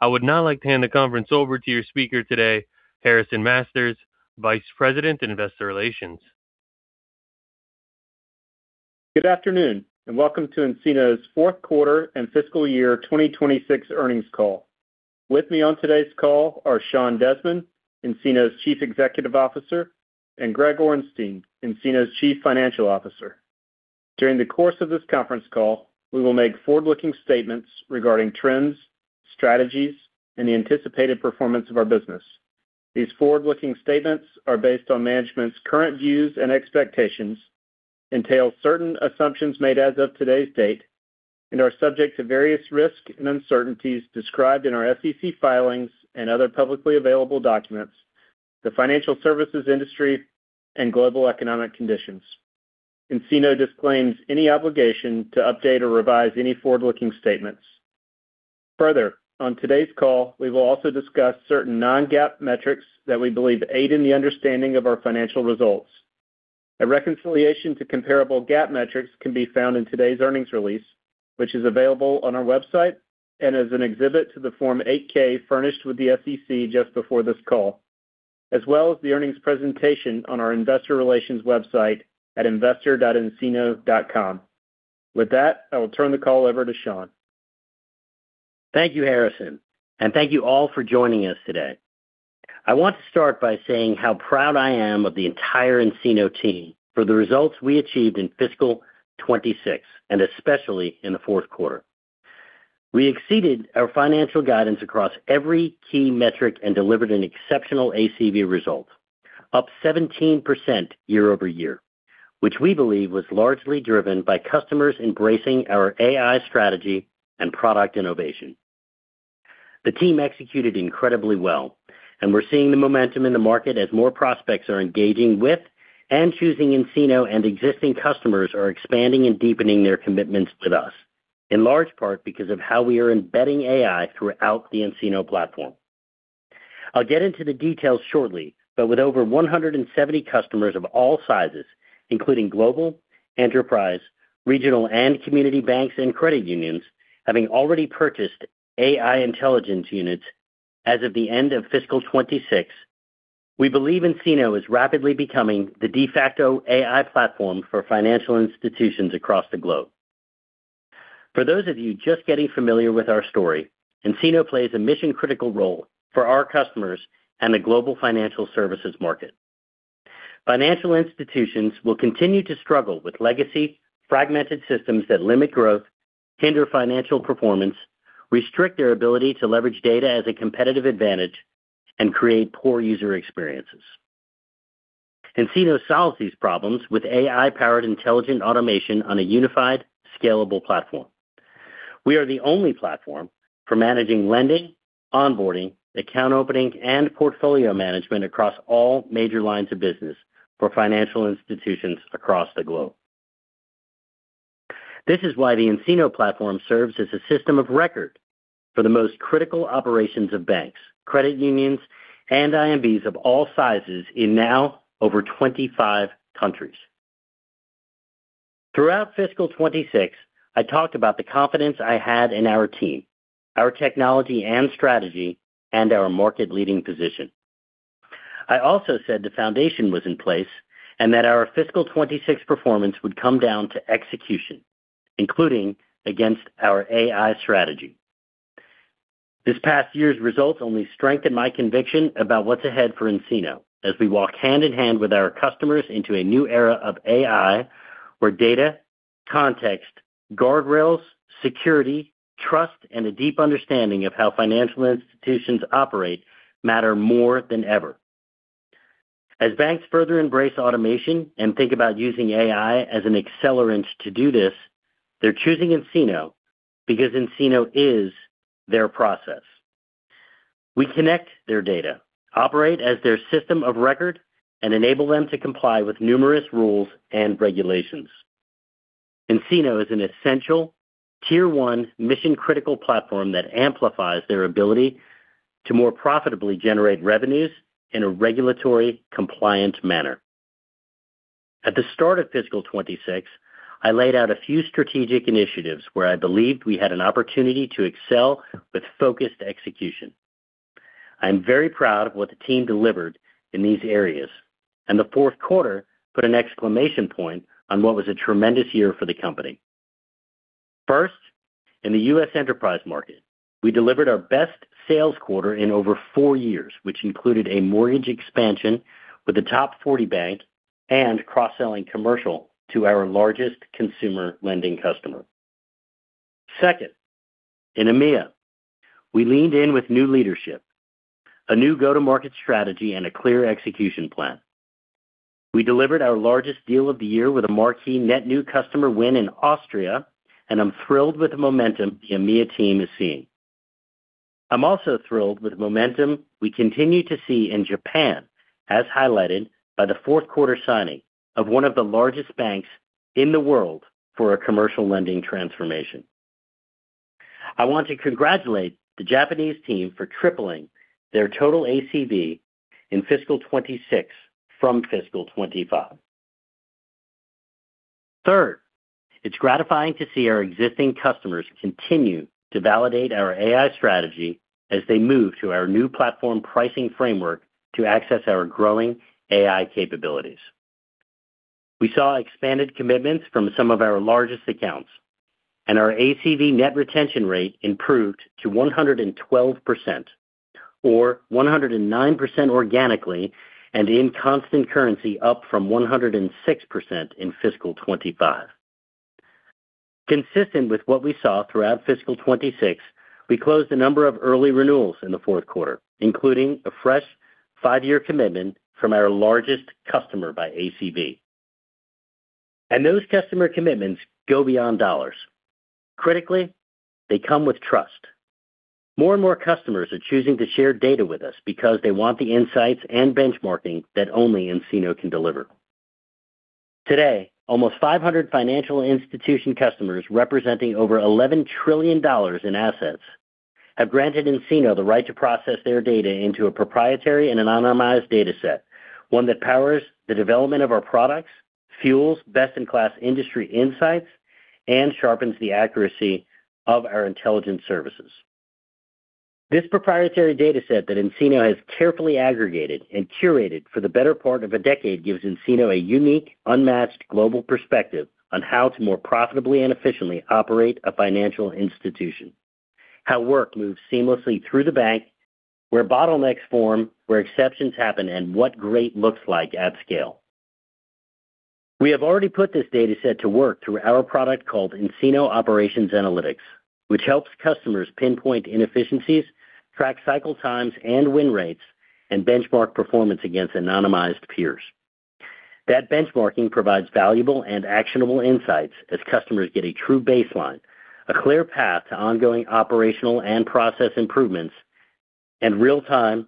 I would now like to hand the conference over to your speaker today, Harrison Masters, Vice President in Investor Relations. Good afternoon, and welcome to nCino's fourth quarter and fiscal year 2026 earnings call. With me on today's call are Sean Desmond, nCino's Chief Executive Officer, and Greg Orenstein, nCino's Chief Financial Officer. During the course of this conference call, we will make forward-looking statements regarding trends, strategies, and the anticipated performance of our business. These forward-looking statements are based on management's current views and expectations, entail certain assumptions made as of today's date, and are subject to various risks and uncertainties described in our SEC filings and other publicly available documents, the financial services industry, and global economic conditions. nCino disclaims any obligation to update or revise any forward-looking statements. Further, on today's call, we will also discuss certain non-GAAP metrics that we believe aid in the understanding of our financial results. A reconciliation to comparable GAAP metrics can be found in today's earnings release, which is available on our website and as an exhibit to the Form 8-K furnished with the SEC just before this call, as well as the earnings presentation on our investor relations website at investor.ncino.com. With that, I will turn the call over to Sean. Thank you, Harrison, and thank you all for joining us today. I want to start by saying how proud I am of the entire nCino team for the results we achieved in fiscal 2026, and especially in the fourth quarter. We exceeded our financial guidance across every key metric and delivered an exceptional ACV result, up 17% year-over-year, which we believe was largely driven by customers embracing our AI strategy and product innovation. The team executed incredibly well, and we're seeing the momentum in the market as more prospects are engaging with and choosing nCino and existing customers are expanding and deepening their commitments with us, in large part because of how we are embedding AI throughout the nCino platform. I'll get into the details shortly, but with over 170 customers of all sizes, including global, enterprise, regional, and community banks and credit unions having already purchased AI intelligence units as of the end of fiscal 2026, we believe nCino is rapidly becoming the de facto AI platform for financial institutions across the globe. For those of you just getting familiar with our story, nCino plays a mission-critical role for our customers and the global financial services market. Financial institutions will continue to struggle with legacy fragmented systems that limit growth, hinder financial performance, restrict their ability to leverage data as a competitive advantage, and create poor user experiences. nCino solves these problems with AI-powered intelligent automation on a unified, scalable platform. We are the only platform for managing lending, onboarding, account opening, and portfolio management across all major lines of business for financial institutions across the globe. This is why the nCino platform serves as a system of record for the most critical operations of banks, credit unions, and IMBs of all sizes in now over 25 countries. Throughout fiscal 2026, I talked about the confidence I had in our team, our technology and strategy, and our market-leading position. I also said the foundation was in place and that our fiscal 2026 performance would come down to execution, including against our AI strategy. This past year's results only strengthened my conviction about what's ahead for nCino as we walk hand in hand with our customers into a new era of AI, where data, context, guardrails, security, trust, and a deep understanding of how financial institutions operate matter more than ever. As banks further embrace automation and think about using AI as an accelerant to do this, they're choosing nCino because nCino is their process. We connect their data, operate as their system of record, and enable them to comply with numerous rules and regulations. nCino is an essential tier-one mission-critical platform that amplifies their ability to more profitably generate revenues in a regulatory compliant manner. At the start of fiscal 2026, I laid out a few strategic initiatives where I believed we had an opportunity to excel with focused execution. I am very proud of what the team delivered in these areas, and the fourth quarter put an exclamation point on what was a tremendous year for the company. First, in the U.S. enterprise market, we delivered our best sales quarter in over four years, which included a mortgage expansion with the top 40 banks and cross-selling commercial to our largest consumer lending customer. Second, in EMEA, we leaned in with new leadership, a new go-to-market strategy, and a clear execution plan. We delivered our largest deal of the year with a marquee net new customer win in Austria, and I'm thrilled with the momentum the EMEA team is seeing. I'm also thrilled with the momentum we continue to see in Japan, as highlighted by the fourth quarter signing of one of the largest banks in the world for a commercial lending transformation. I want to congratulate the Japanese team for tripling their total ACV in fiscal 2026 from fiscal 2025. Third, it's gratifying to see our existing customers continue to validate our AI strategy as they move to our new platform pricing framework to access our growing AI capabilities. We saw expanded commitments from some of our largest accounts, and our ACV net retention rate improved to 112%, or 109% organically, and in constant currency, up from 106% in fiscal 2025. Consistent with what we saw throughout fiscal 2026, we closed a number of early renewals in the fourth quarter, including a fresh five-year commitment from our largest customer by ACV. Those customer commitments go beyond dollars. Critically, they come with trust. More and more customers are choosing to share data with us because they want the insights and benchmarking that only nCino can deliver. Today, almost 500 financial institution customers representing over $11 trillion in assets have granted nCino the right to process their data into a proprietary and anonymized dataset. One that powers the development of our products, fuels best-in-class industry insights, and sharpens the accuracy of our intelligence services. This proprietary dataset that nCino has carefully aggregated and curated for the better part of a decade gives nCino a unique, unmatched global perspective on how to more profitably and efficiently operate a financial institution, how work moves seamlessly through the bank, where bottlenecks form, where exceptions happen, and what great looks like at scale. We have already put this dataset to work through our product called nCino Operations Analytics, which helps customers pinpoint inefficiencies, track cycle times and win rates, and benchmark performance against anonymized peers. That benchmarking provides valuable and actionable insights as customers get a true baseline, a clear path to ongoing operational and process improvements, and real-time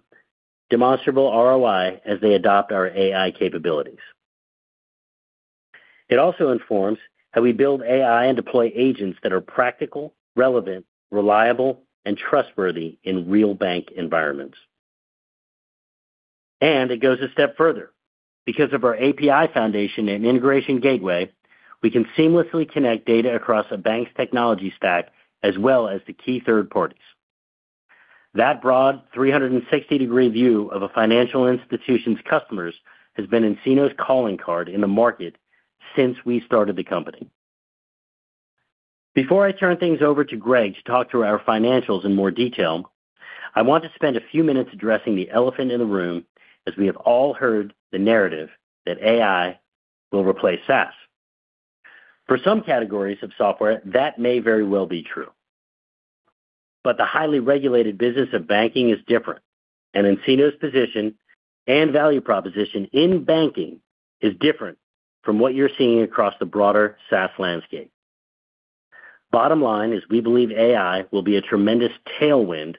demonstrable ROI as they adopt our AI capabilities. It also informs how we build AI and deploy agents that are practical, relevant, reliable, and trustworthy in real bank environments. It goes a step further. Because of our API foundation and integration gateway, we can seamlessly connect data across a bank's technology stack as well as to key third parties. That broad 360-degree view of a financial institution's customers has been nCino's calling card in the market since we started the company. Before I turn things over to Greg to talk through our financials in more detail, I want to spend a few minutes addressing the elephant in the room, as we have all heard the narrative that AI will replace SaaS. For some categories of software, that may very well be true. The highly regulated business of banking is different, and nCino's position and value proposition in banking is different from what you're seeing across the broader SaaS landscape. Bottom line is we believe AI will be a tremendous tailwind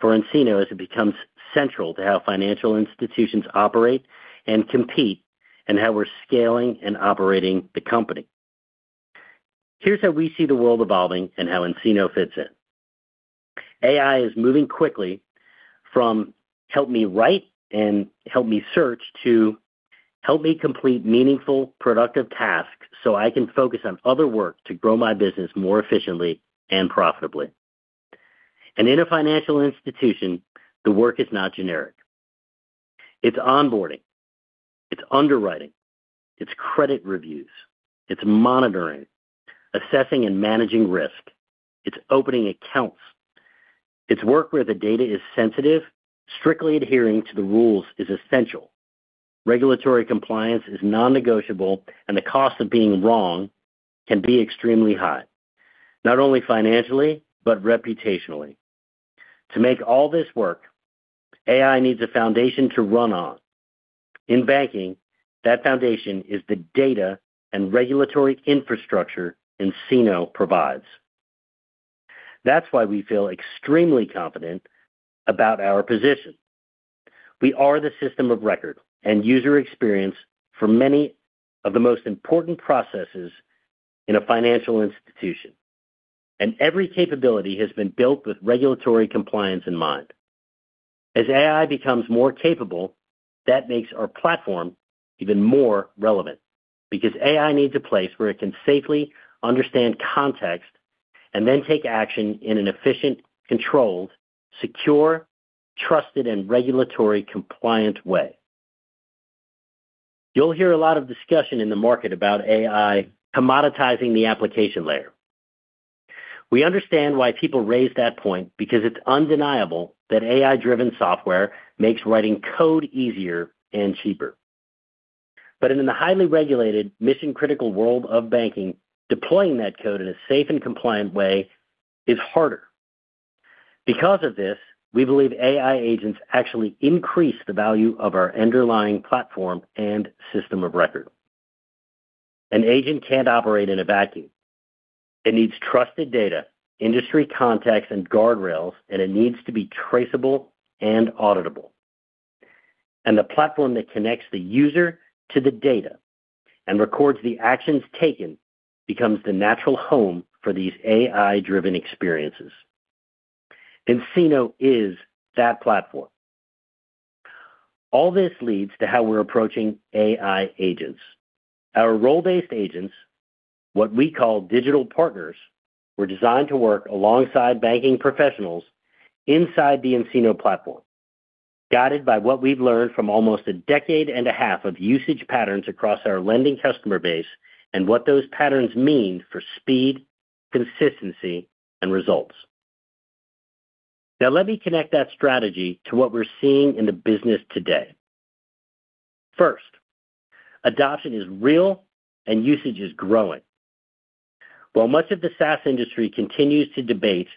for nCino as it becomes central to how financial institutions operate and compete, and how we're scaling and operating the company. Here's how we see the world evolving and how nCino fits in. AI is moving quickly from help me write and help me search to help me complete meaningful, productive tasks so I can focus on other work to grow my business more efficiently and profitably. In a financial institution, the work is not generic. It's onboarding, it's underwriting, it's credit reviews, it's monitoring, assessing and managing risk. It's opening accounts. It's work where the data is sensitive, strictly adhering to the rules is essential. Regulatory compliance is non-negotiable, and the cost of being wrong can be extremely high, not only financially, but reputationally. To make all this work, AI needs a foundation to run on. In banking, that foundation is the data and regulatory infrastructure nCino provides. That's why we feel extremely confident about our position. We are the system of record and user experience for many of the most important processes in a financial institution, and every capability has been built with regulatory compliance in mind. As AI becomes more capable, that makes our platform even more relevant because AI needs a place where it can safely understand context and then take action in an efficient, controlled, secure, trusted, and regulatory compliant way. You'll hear a lot of discussion in the market about AI commoditizing the application layer. We understand why people raise that point, because it's undeniable that AI-driven software makes writing code easier and cheaper. But in the highly regulated mission-critical world of banking, deploying that code in a safe and compliant way is harder. Because of this, we believe AI agents actually increase the value of our underlying platform and system of record. An agent can't operate in a vacuum. It needs trusted data, industry context, and guardrails, and it needs to be traceable and auditable. The platform that connects the user to the data and records the actions taken becomes the natural home for these AI-driven experiences. nCino is that platform. All this leads to how we're approaching AI agents. Our role-based agents, what we call Digital Partners, were designed to work alongside banking professionals inside the nCino platform, guided by what we've learned from almost a decade and a half of usage patterns across our lending customer base and what those patterns mean for speed, consistency, and results. Now, let me connect that strategy to what we're seeing in the business today. First, adoption is real and usage is growing. While much of the SaaS industry continues to debate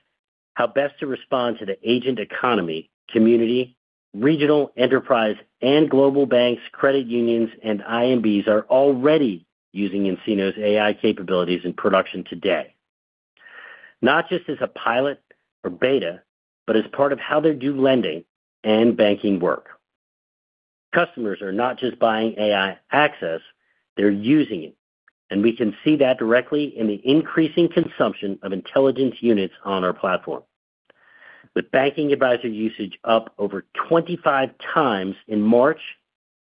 how best to respond to the agent economy, community, regional, enterprise, and global banks, credit unions, and IMBs are already using nCino's AI capabilities in production today. Not just as a pilot or beta, but as part of how they do lending and banking work. Customers are not just buying AI access, they're using it, and we can see that directly in the increasing consumption of intelligence units on our platform. With Banking Advisor usage up over 25 times in March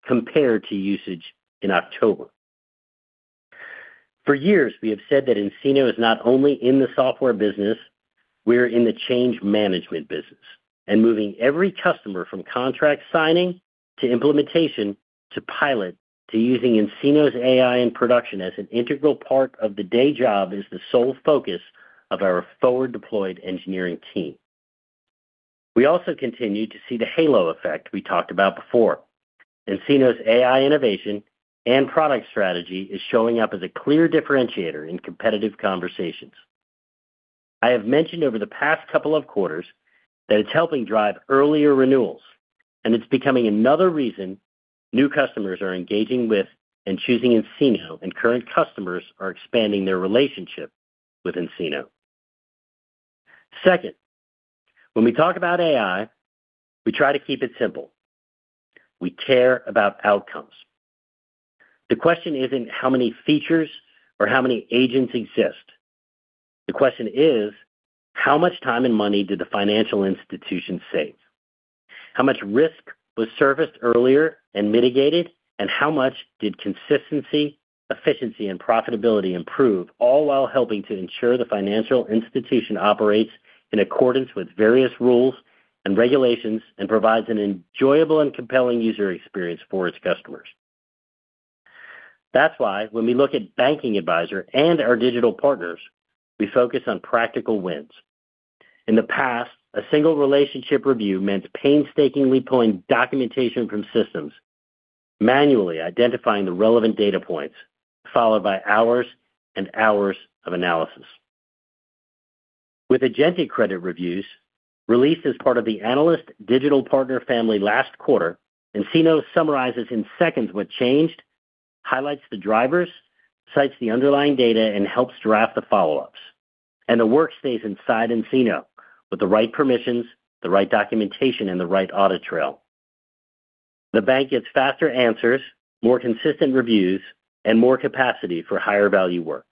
compared to usage in October. For years, we have said that nCino is not only in the software business, we're in the change management business. Moving every customer from contract signing to implementation to pilot to using nCino's AI in production as an integral part of the day job is the sole focus of our forward deployed engineering team. We also continue to see the halo effect we talked about before. nCino's AI innovation and product strategy is showing up as a clear differentiator in competitive conversations. I have mentioned over the past couple of quarters that it's helping drive earlier renewals, and it's becoming another reason new customers are engaging with and choosing nCino, and current customers are expanding their relationship with nCino. Second, when we talk about AI, we try to keep it simple. We care about outcomes. The question isn't how many features or how many agents exist. The question is, how much time and money did the financial institution save? How much risk was serviced earlier and mitigated, and how much did consistency, efficiency, and profitability improve, all while helping to ensure the financial institution operates in accordance with various rules and regulations and provides an enjoyable and compelling user experience for its customers? That's why when we look at Banking Advisor and our Digital Partners, we focus on practical wins. In the past, a single relationship review meant painstakingly pulling documentation from systems, manually identifying the relevant data points, followed by hours and hours of analysis. With agentic credit reviews, released as part of the Analyst Digital Partner family last quarter, nCino summarizes in seconds what changed, highlights the drivers, cites the underlying data, and helps draft the follow-ups. The work stays inside nCino with the right permissions, the right documentation, and the right audit trail. The bank gets faster answers, more consistent reviews, and more capacity for higher value work,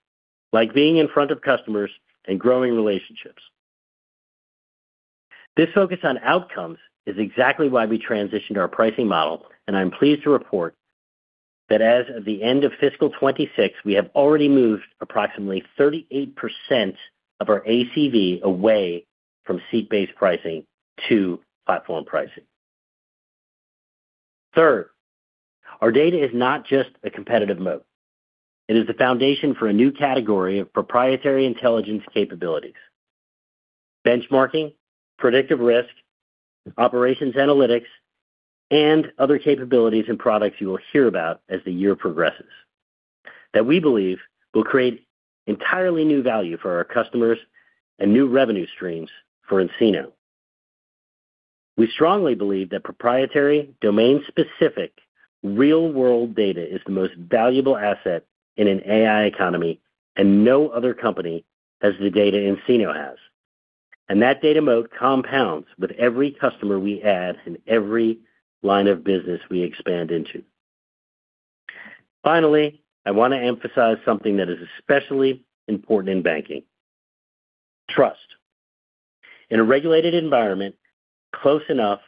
like being in front of customers and growing relationships. This focus on outcomes is exactly why we transitioned our pricing model, and I'm pleased to report that as of the end of fiscal 2026, we have already moved approximately 38% of our ACV away from seat-based pricing to platform pricing. Third, our data is not just a competitive moat. It is the foundation for a new category of proprietary intelligence capabilities. Benchmarking, predictive risk, operations analytics, and other capabilities and products you will hear about as the year progresses that we believe will create entirely new value for our customers and new revenue streams for nCino. We strongly believe that proprietary, domain-specific, real-world data is the most valuable asset in an AI economy, and no other company has the data nCino has. That data moat compounds with every customer we add and every line of business we expand into. Finally, I want to emphasize something that is especially important in banking: trust. In a regulated environment, close enough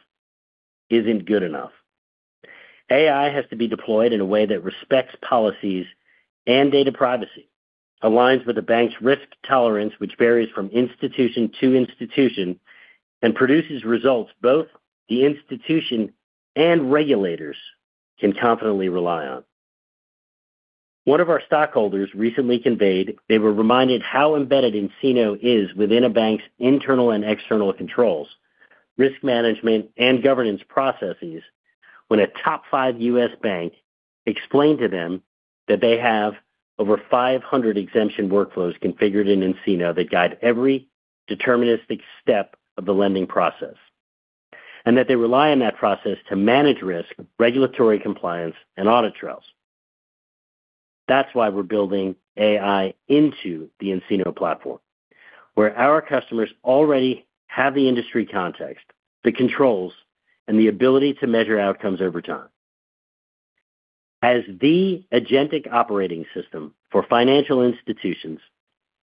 isn't good enough. AI has to be deployed in a way that respects policies and data privacy, aligns with the bank's risk tolerance, which varies from institution to institution, and produces results both the institution and regulators can confidently rely on. One of our stockholders recently conveyed they were reminded how embedded nCino is within a bank's internal and external controls, risk management, and governance processes when a top five U.S. bank explained to them that they have over 500 exemption workflows configured in nCino that guide every deterministic step of the lending process. They rely on that process to manage risk, regulatory compliance, and audit trails. That's why we're building AI into the nCino platform, where our customers already have the industry context, the controls, and the ability to measure outcomes over time. The agentic operating system for financial institutions,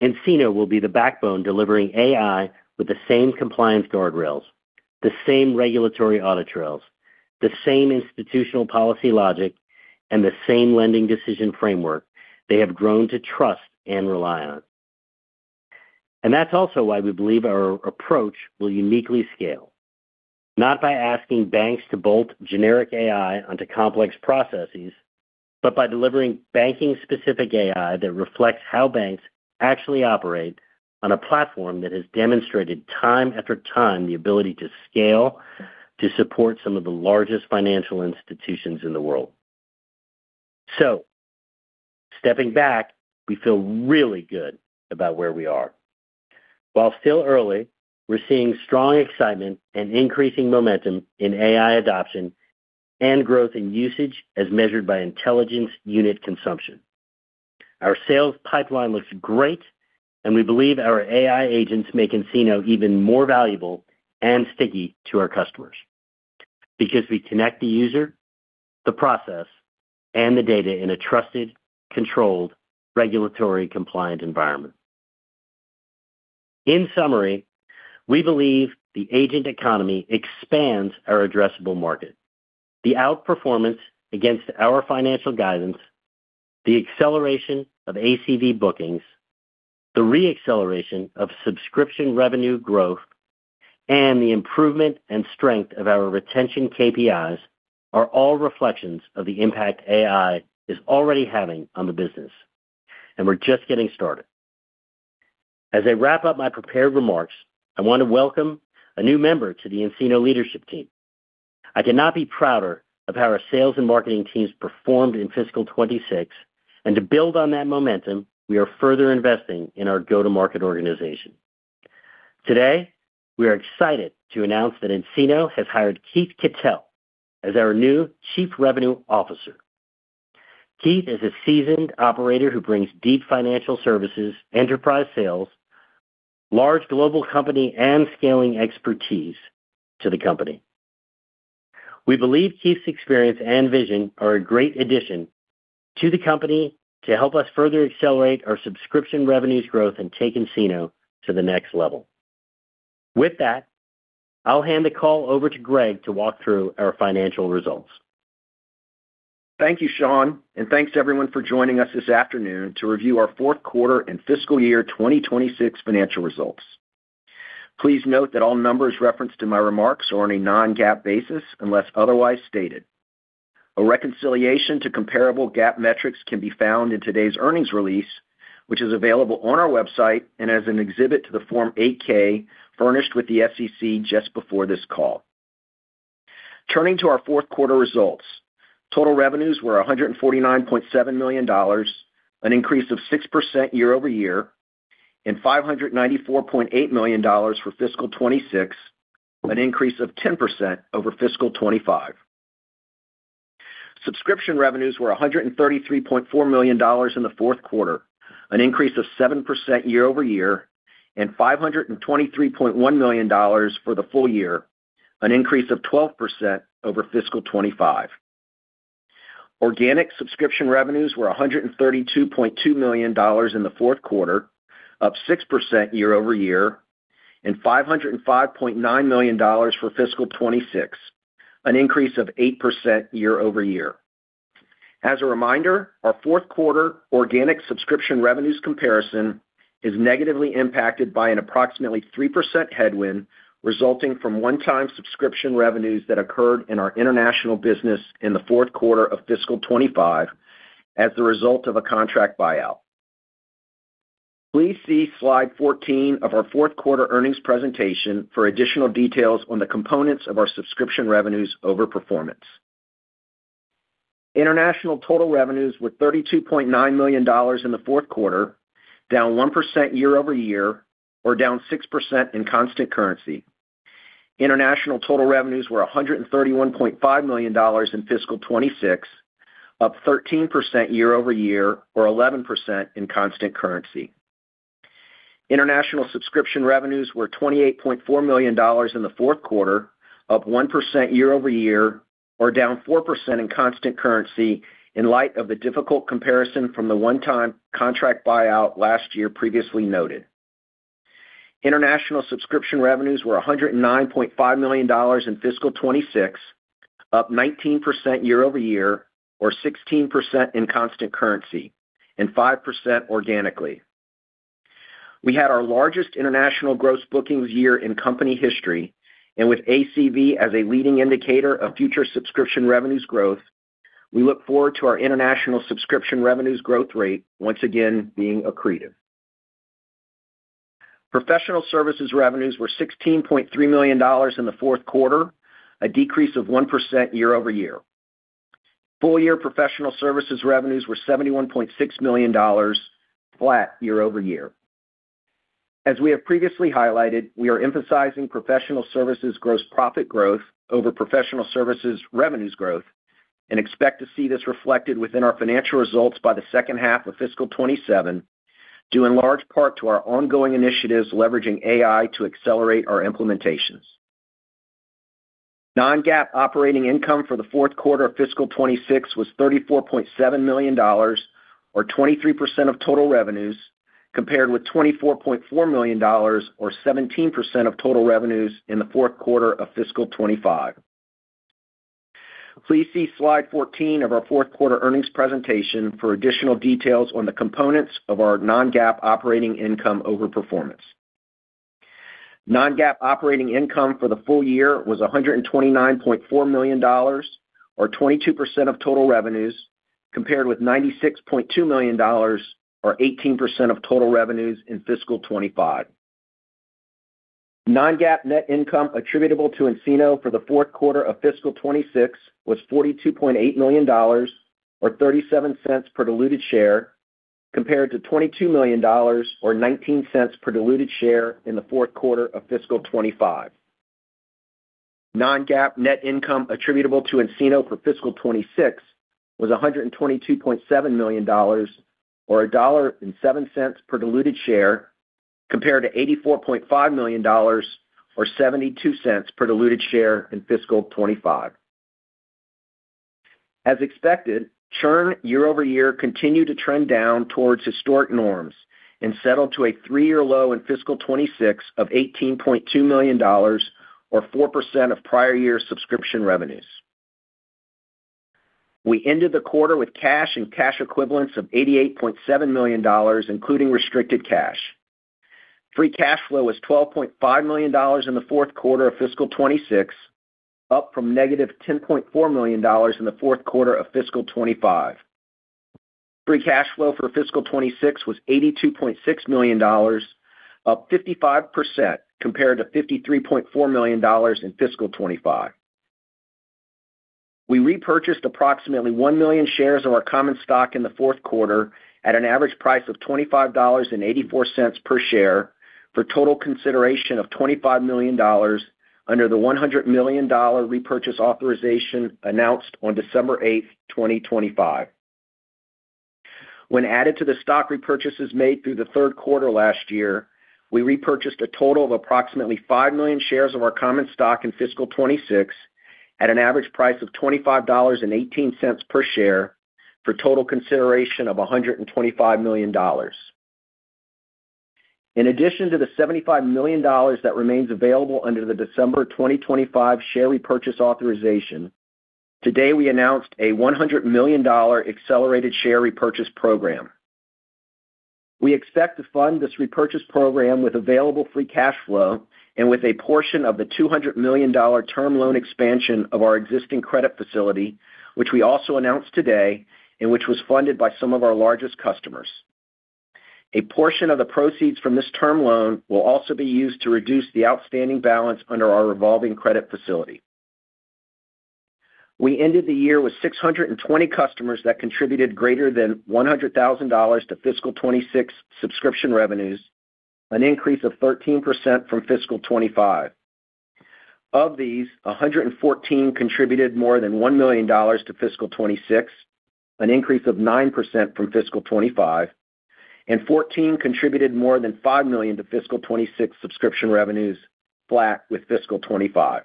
nCino will be the backbone delivering AI with the same compliance guardrails, the same regulatory audit trails, the same institutional policy logic, and the same lending decision framework they have grown to trust and rely on. That's also why we believe our approach will uniquely scale, not by asking banks to bolt generic AI onto complex processes, but by delivering banking specific AI that reflects how banks actually operate on a platform that has demonstrated time after time the ability to scale to support some of the largest financial institutions in the world. Stepping back, we feel really good about where we are. While still early, we're seeing strong excitement and increasing momentum in AI adoption and growth in usage as measured by intelligence unit consumption. Our sales pipeline looks great, and we believe our AI agents make nCino even more valuable and sticky to our customers because we connect the user, the process, and the data in a trusted, controlled, regulatory compliant environment. In summary, we believe the agent economy expands our addressable market. The outperformance against our financial guidance, the acceleration of ACV bookings, the re-acceleration of subscription revenue growth, and the improvement and strength of our retention KPIs are all reflections of the impact AI is already having on the business, and we're just getting started. As I wrap up my prepared remarks, I want to welcome a new member to the nCino leadership team. I could not be prouder of how our sales and marketing teams performed in fiscal 2026. To build on that momentum, we are further investing in our go-to-market organization. Today, we are excited to announce that nCino has hired Keith Kittell as our new Chief Revenue Officer. Keith is a seasoned operator who brings deep financial services, enterprise sales, large global company, and scaling expertise to the company. We believe Keith's experience and vision are a great addition to the company to help us further accelerate our subscription revenues growth and take nCino to the next level. With that, I'll hand the call over to Greg to walk through our financial results. Thank you, Sean, and thanks everyone for joining us this afternoon to review our fourth quarter and fiscal year 2026 financial results. Please note that all numbers referenced in my remarks are on a non-GAAP basis unless otherwise stated. A reconciliation to comparable GAAP metrics can be found in today's earnings release, which is available on our website and as an exhibit to the Form 8-K furnished with the SEC just before this call. Turning to our fourth quarter results. Total revenues were $149.7 million, an increase of 6% year-over-year, and $594.8 million for fiscal 2026, an increase of 10% over fiscal 2025. Subscription revenues were $133.4 million in the fourth quarter, an increase of 7% year-over-year, and $523.1 million for the full year, an increase of 12% over fiscal 2025. Organic subscription revenues were $132.2 million in the fourth quarter, up 6% year-over-year, and $505.9 million for fiscal 2026, an increase of 8% year-over-year. As a reminder, our fourth quarter organic subscription revenues comparison is negatively impacted by an approximately 3% headwind resulting from one-time subscription revenues that occurred in our international business in the fourth quarter of fiscal 2025 as the result of a contract buyout. Please see slide 14 of our fourth quarter earnings presentation for additional details on the components of our subscription revenues over performance. International total revenues were $32.9 million in the fourth quarter, down 1% year-over-year, or down 6% in constant currency. International total revenues were $131.5 million in fiscal 2026, up 13% year-over-year, or 11% in constant currency. International subscription revenues were $28.4 million in the fourth quarter, up 1% year-over-year, or down 4% in constant currency in light of the difficult comparison from the one-time contract buyout last year previously noted. International subscription revenues were $109.5 million in fiscal 2026, up 19% year-over-year, or 16% in constant currency and 5% organically. We had our largest international gross bookings year in company history, and with ACV as a leading indicator of future subscription revenues growth, we look forward to our international subscription revenues growth rate once again being accretive. Professional services revenues were $16.3 million in the fourth quarter, a decrease of 1% year-over-year. Full year professional services revenues were $71.6 million flat year-over-year. As we have previously highlighted, we are emphasizing professional services gross profit growth over professional services revenues growth and expect to see this reflected within our financial results by the second half of fiscal 2027, due in large part to our ongoing initiatives leveraging AI to accelerate our implementations. Non-GAAP operating income for the fourth quarter of fiscal 2026 was $34.7 million or 23% of total revenues compared with $24.4 million or 17% of total revenues in the fourth quarter of fiscal 2025. Please see slide 14 of our fourth quarter earnings presentation for additional details on the components of our non-GAAP operating income overperformance. Non-GAAP operating income for the full year was $129.4 million or 22% of total revenues, compared with $96.2 million or 18% of total revenues in fiscal 2025. Non-GAAP net income attributable to nCino for the fourth quarter of fiscal 2026 was $42.8 million or $0.37 per diluted share, compared to $22 million or $0.19 per diluted share in the fourth quarter of fiscal 2025. non-GAAP net income attributable to nCino for fiscal 2026 was $122.7 million or $1.07 per diluted share compared to $84.5 million or $0.72 per diluted share in fiscal 2025. As expected, churn year-over-year continued to trend down towards historic norms and settled to a three-year low in fiscal 2026 of $18.2 million or 4% of prior year subscription revenues. We ended the quarter with cash and cash equivalents of $88.7 million, including restricted cash. Free cash flow was $12.5 million in the fourth quarter of fiscal 2026, up from -$10.4 million in the fourth quarter of fiscal 2025. Free cash flow for fiscal 2026 was $82.6 million, up 55% compared to $53.4 million in fiscal 2025. We repurchased approximately one million shares of our common stock in the fourth quarter at an average price of $25 and $0.84 per share for total consideration of $25 million under the $100 million repurchase authorization announced on December 8th, 2025. When added to the stock repurchases made through the third quarter last year, we repurchased a total of approximately five million shares of our common stock in fiscal 2026 at an average price of $25.18 per share for total consideration of $125 million. In addition to the $75 million that remains available under the December 2025 share repurchase authorization, today we announced a $100 million accelerated share repurchase program. We expect to fund this repurchase program with available free cash flow and with a portion of the $200 million term loan expansion of our existing credit facility, which we also announced today and which was funded by some of our largest customers. A portion of the proceeds from this term loan will also be used to reduce the outstanding balance under our revolving credit facility. We ended the year with 620 customers that contributed greater than $100,000 to fiscal 2026 subscription revenues, an increase of 13% from fiscal 2025. Of these, 114 contributed more than $1 million to fiscal 2026, an increase of 9% from fiscal 2025, and 14 contributed more than $5 million to fiscal 2026 subscription revenues, flat with fiscal 2025.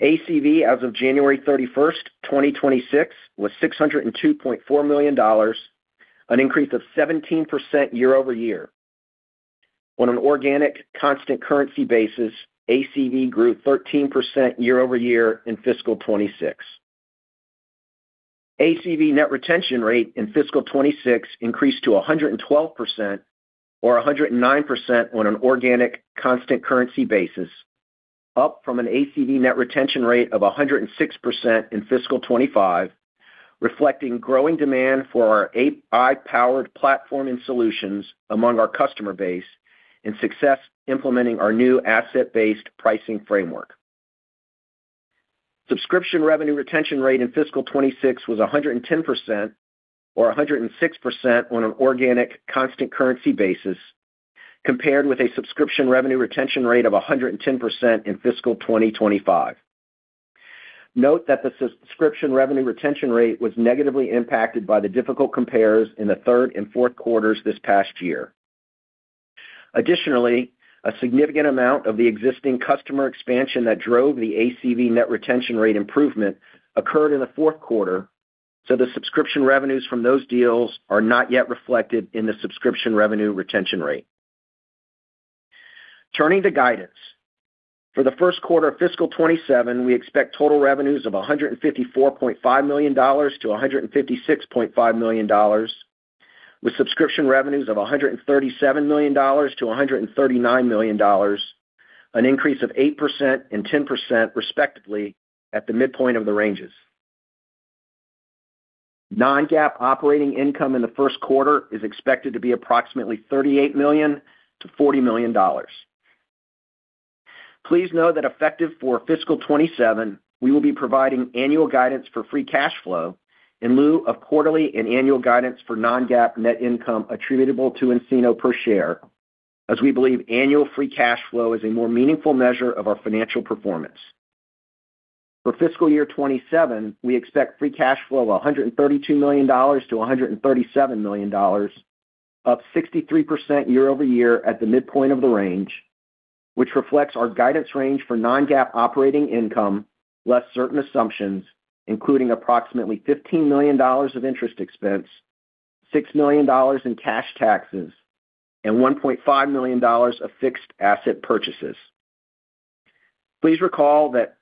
ACV as of January 31st, 2026 was $602.4 million, an increase of 17% year-over-year. On an organic constant currency basis, ACV grew 13% year-over-year in fiscal 2026. ACV net retention rate in fiscal 2026 increased to 112% or 109% on an organic constant currency basis, up from an ACV net retention rate of 106% in fiscal 2025, reflecting growing demand for our AI-powered platform and solutions among our customer base and success implementing our new asset-based pricing framework. Subscription revenue retention rate in fiscal 2026 was 110% or 106% on an organic constant currency basis compared with a subscription revenue retention rate of 110% in fiscal 2025. Note that the subscription revenue retention rate was negatively impacted by the difficult compares in the third and fourth quarters this past year. Additionally, a significant amount of the existing customer expansion that drove the ACV net retention rate improvement occurred in the fourth quarter, so the subscription revenues from those deals are not yet reflected in the subscription revenue retention rate. Turning to guidance. For the first quarter of fiscal 2027, we expect total revenues of $154.5 million-$156.5 million, with subscription revenues of $137 million-$139 million, an increase of 8% and 10% respectively at the midpoint of the ranges. Non-GAAP operating income in the first quarter is expected to be approximately $38 million-$40 million. Please note that effective for fiscal 2027, we will be providing annual guidance for free cash flow in lieu of quarterly and annual guidance for non-GAAP net income attributable to nCino per share, as we believe annual free cash flow is a more meaningful measure of our financial performance. For fiscal year 2027, we expect free cash flow of $132 million-$137 million, up 63% year-over-year at the midpoint of the range, which reflects our guidance range for non-GAAP operating income less certain assumptions, including approximately $15 million of interest expense, $6 million in cash taxes, and $1.5 million of fixed asset purchases. Please recall that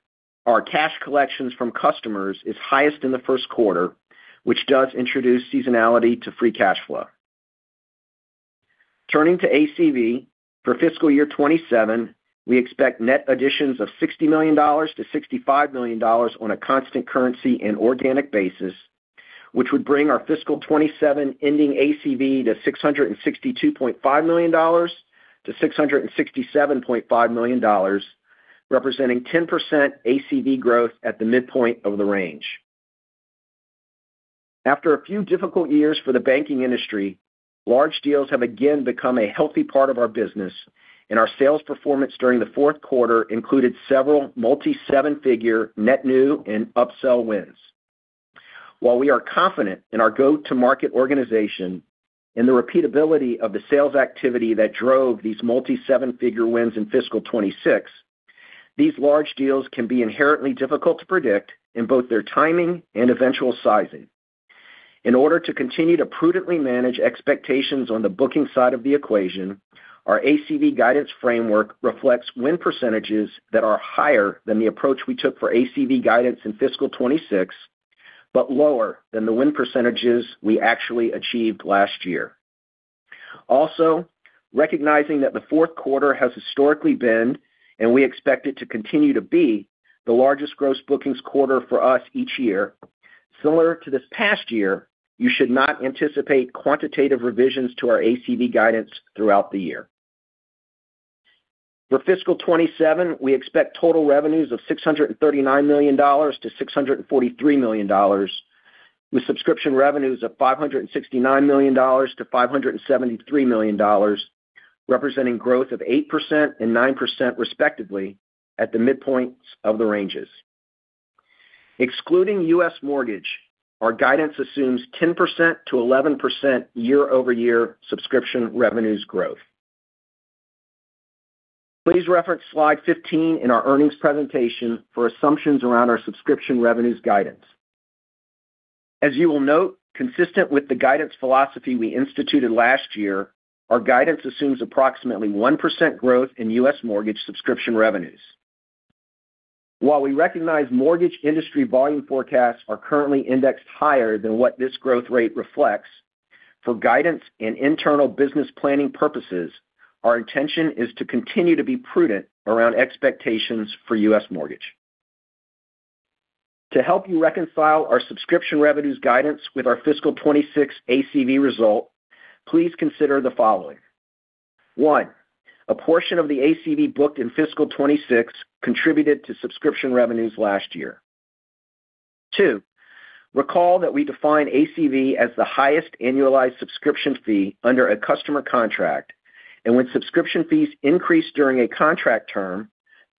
our cash collections from customers is highest in the first quarter, which does introduce seasonality to free cash flow. Turning to ACV, for fiscal year 2027, we expect net additions of $60 million-$65 million on a constant currency and organic basis, which would bring our fiscal 2027 ending ACV to $662.5 million-$667.5 million, representing 10% ACV growth at the midpoint of the range. After a few difficult years for the banking industry, large deals have again become a healthy part of our business, and our sales performance during the fourth quarter included several multi-seven-figure net new and upsell wins. While we are confident in our go-to-market organization and the repeatability of the sales activity that drove these multi-seven-figure wins in fiscal 2026, these large deals can be inherently difficult to predict in both their timing and eventual sizing. In order to continue to prudently manage expectations on the booking side of the equation, our ACV guidance framework reflects win percentages that are higher than the approach we took for ACV guidance in fiscal 2026, but lower than the win percentages we actually achieved last year. Also, recognizing that the fourth quarter has historically been, and we expect it to continue to be, the largest gross bookings quarter for us each year, similar to this past year, you should not anticipate quantitative revisions to our ACV guidance throughout the year. For fiscal 2027, we expect total revenues of $639 million-$643 million, with subscription revenues of $569 million-$573 million, representing growth of 8% and 9% respectively at the midpoints of the ranges. Excluding U.S. mortgage, our guidance assumes 10%-11% year-over-year subscription revenues growth. Please reference slide 15 in our earnings presentation for assumptions around our subscription revenues guidance. As you will note, consistent with the guidance philosophy we instituted last year, our guidance assumes approximately 1% growth in U.S. mortgage subscription revenues. While we recognize mortgage industry volume forecasts are currently indexed higher than what this growth rate reflects, for guidance and internal business planning purposes, our intention is to continue to be prudent around expectations for U.S. mortgage. To help you reconcile our subscription revenues guidance with our fiscal 2026 ACV result, please consider the following. One, a portion of the ACV booked in fiscal 2026 contributed to subscription revenues last year. Two, recall that we define ACV as the highest annualized subscription fee under a customer contract, and when subscription fees increase during a contract term,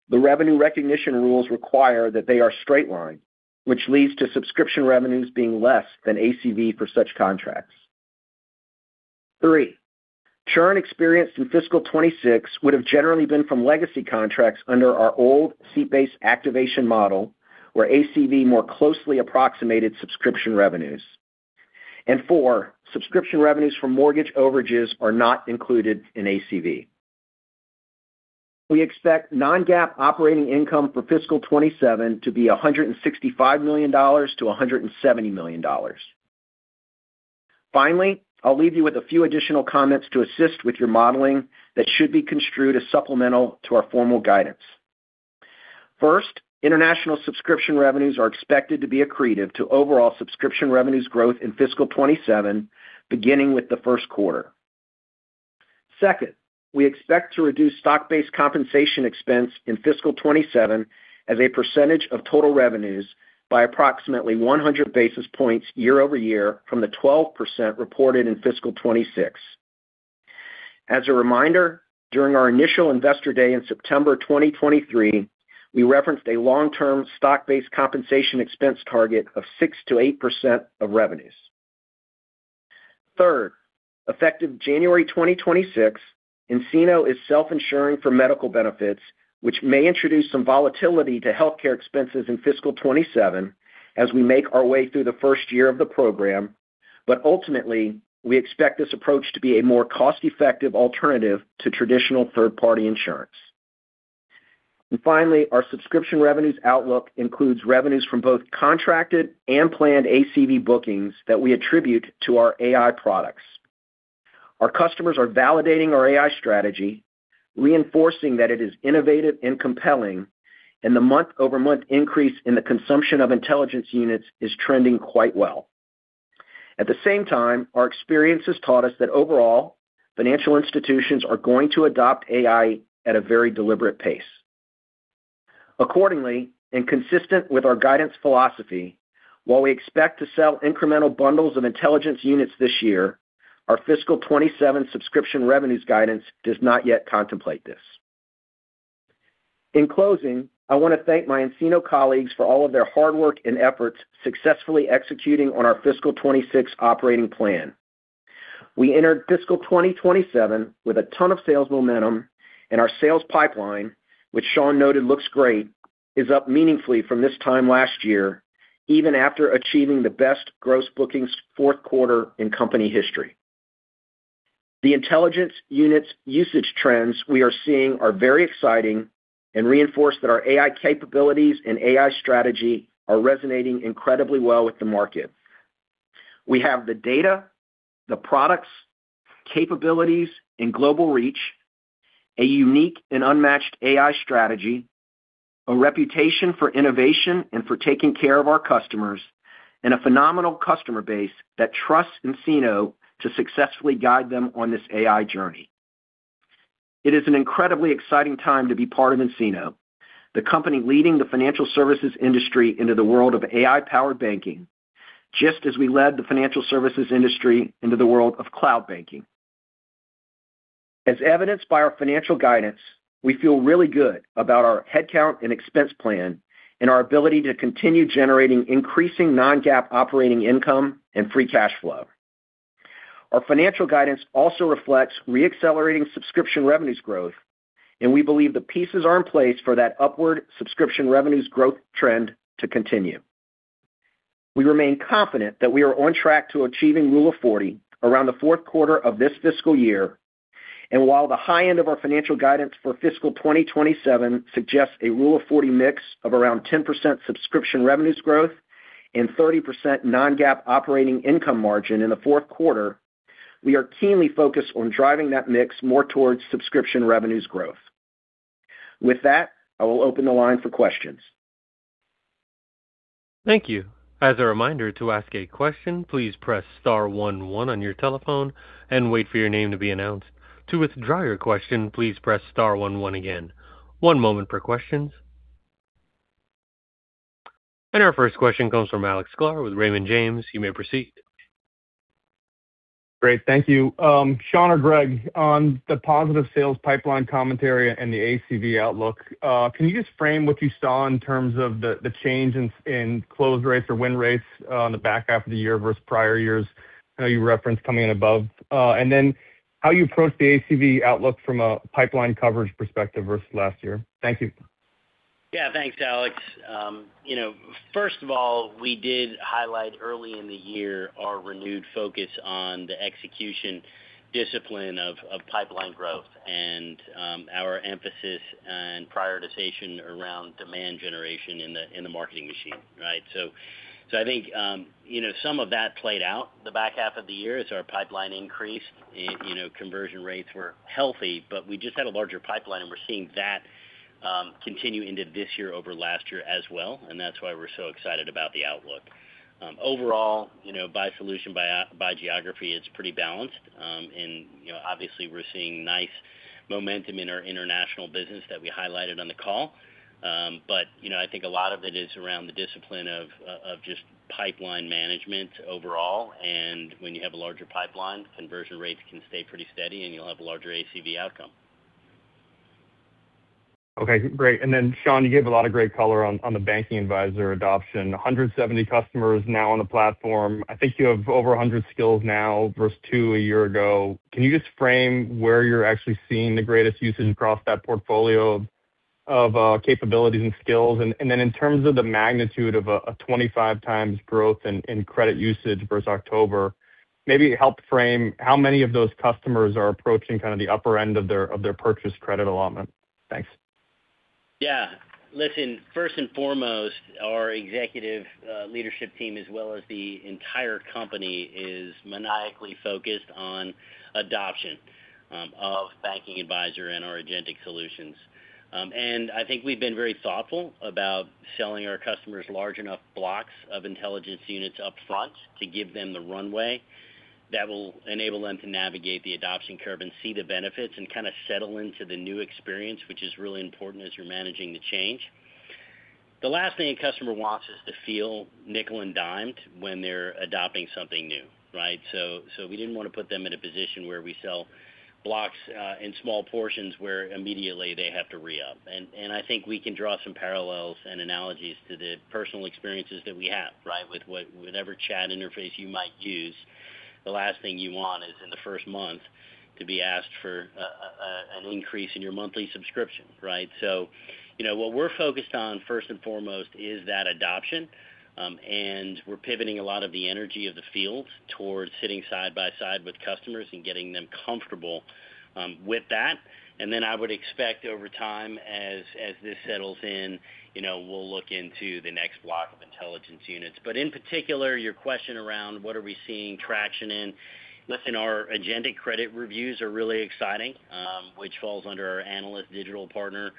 the revenue recognition rules require that they are straight-lined, which leads to subscription revenues being less than ACV for such contracts. Three, churn experienced in fiscal 2026 would have generally been from legacy contracts under our old seat-based activation model, where ACV more closely approximated subscription revenues. Four, subscription revenues from mortgage overages are not included in ACV. We expect non-GAAP operating income for fiscal 2027 to be $165 million-$170 million. Finally, I'll leave you with a few additional comments to assist with your modeling that should be construed as supplemental to our formal guidance. First, international subscription revenues are expected to be accretive to overall subscription revenues growth in fiscal 2027, beginning with the first quarter. Second, we expect to reduce stock-based compensation expense in fiscal 2027 as a percentage of total revenues by approximately 100 basis points year-over-year from the 12% reported in fiscal 2026. As a reminder, during our initial Investor Day in September 2023, we referenced a long-term stock-based compensation expense target of 6%-8% of revenues. Third, effective January 2026, nCino is self-insuring for medical benefits, which may introduce some volatility to healthcare expenses in fiscal 2027 as we make our way through the first year of the program. Ultimately, we expect this approach to be a more cost-effective alternative to traditional third-party insurance. Finally, our subscription revenues outlook includes revenues from both contracted and planned ACV bookings that we attribute to our AI products. Our customers are validating our AI strategy, reinforcing that it is innovative and compelling, and the month-over-month increase in the consumption of intelligence units is trending quite well. At the same time, our experience has taught us that overall, financial institutions are going to adopt AI at a very deliberate pace. Accordingly, and consistent with our guidance philosophy, while we expect to sell incremental bundles of intelligence units this year. Our fiscal 2027 subscription revenues guidance does not yet contemplate this. In closing, I want to thank my nCino colleagues for all of their hard work and efforts successfully executing on our fiscal 2026 operating plan. We entered fiscal 2027 with a ton of sales momentum and our sales pipeline, which Sean noted looks great, is up meaningfully from this time last year, even after achieving the best gross bookings fourth quarter in company history. The intelligence units usage trends we are seeing are very exciting and reinforce that our AI capabilities and AI strategy are resonating incredibly well with the market. We have the data, the products, capabilities and global reach, a unique and unmatched AI strategy, a reputation for innovation and for taking care of our customers, and a phenomenal customer base that trusts nCino to successfully guide them on this AI journey. It is an incredibly exciting time to be part of nCino, the company leading the financial services industry into the world of AI-powered banking, just as we led the financial services industry into the world of cloud banking. As evidenced by our financial guidance, we feel really good about our headcount and expense plan and our ability to continue generating increasing non-GAAP operating income and free cash flow. Our financial guidance also reflects reaccelerating subscription revenues growth, and we believe the pieces are in place for that upward subscription revenues growth trend to continue. We remain confident that we are on track to achieving Rule of 40 around the fourth quarter of this fiscal year. While the high end of our financial guidance for fiscal 2027 suggests a Rule of 40 mix of around 10% subscription revenues growth and 30% non-GAAP operating income margin in the fourth quarter, we are keenly focused on driving that mix more towards subscription revenues growth. With that, I will open the line for questions. Thank you. As a reminder to ask a question, please press star one one on your telephone and wait for your name to be announced. To withdraw your question, please press star one one again. One moment for questions. Our first question comes from Alex Sklar with Raymond James. You may proceed. Great. Thank you. Sean or Greg, on the positive sales pipeline commentary and the ACV outlook, can you just frame what you saw in terms of the change in close rates or win rates on the back half of the year versus prior years? I know you referenced coming in above. Then how you approach the ACV outlook from a pipeline coverage perspective versus last year. Thank you. Yeah. Thanks, Alex. You know, first of all, we did highlight early in the year our renewed focus on the execution discipline of pipeline growth and our emphasis and prioritization around demand generation in the marketing machine, right? I think you know, some of that played out the back half of the year as our pipeline increased and conversion rates were healthy, but we just had a larger pipeline, and we're seeing that continue into this year over last year as well, and that's why we're so excited about the outlook. Overall, you know, by solution, by geography, it's pretty balanced. You know, obviously, we're seeing nice momentum in our international business that we highlighted on the call. You know, I think a lot of it is around the discipline of just pipeline management overall. When you have a larger pipeline, conversion rates can stay pretty steady and you'll have a larger ACV outcome. Okay. Great. Then Sean, you gave a lot of great color on the banking advisor adoption. 170 customers now on the platform. I think you have over 100 skills now versus two a year ago. Can you just frame where you're actually seeing the greatest usage across that portfolio of capabilities and skills? Then in terms of the magnitude of a 25 times growth in credit usage versus October, maybe help frame how many of those customers are approaching kind of the upper end of their purchase credit allotment. Thanks. Yeah. Listen, first and foremost, our executive leadership team as well as the entire company is maniacally focused on adoption of Banking Advisor and our agentic solutions. I think we've been very thoughtful about selling our customers large enough blocks of intelligence units up front to give them the runway that will enable them to navigate the adoption curve and see the benefits and kind of settle into the new experience, which is really important as you're managing the change. The last thing a customer wants is to feel nickel and dimed when they're adopting something new, right? So we didn't want to put them in a position where we sell blocks in small portions, where immediately they have to re-up. I think we can draw some parallels and analogies to the personal experiences that we have, right? With whatever chat interface you might use, the last thing you want is in the first month to be asked for an increase in your monthly subscription, right? You know, what we're focused on first and foremost is that adoption, and we're pivoting a lot of the energy of the field towards sitting side by side with customers and getting them comfortable with that. Then I would expect over time as this settles in, you know, we'll look into the next block of intelligence units. In particular, your question around what are we seeing traction in. Listen, our agentic credit reviews are really exciting, which falls under our Analyst Digital Partner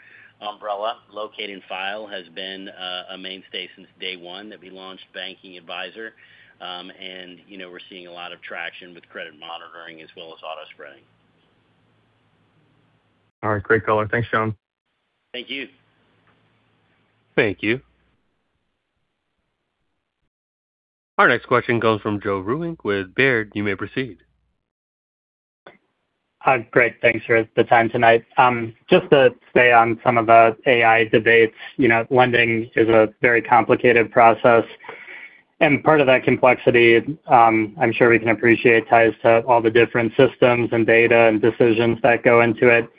umbrella. Locate & File has been a mainstay since day one that we launched Banking Advisor. You know, we're seeing a lot of traction with credit monitoring as well as Automated Spreading. All right, great color. Thanks, Sean. Thank you. Thank you. Our next question comes from Joe Vruwink with Baird. You may proceed. Hi. Great. Thanks for the time tonight. Just to stay on some of the AI debates, you know, lending is a very complicated process, and part of that complexity, I'm sure we can appreciate ties to all the different systems and data and decisions that go into it.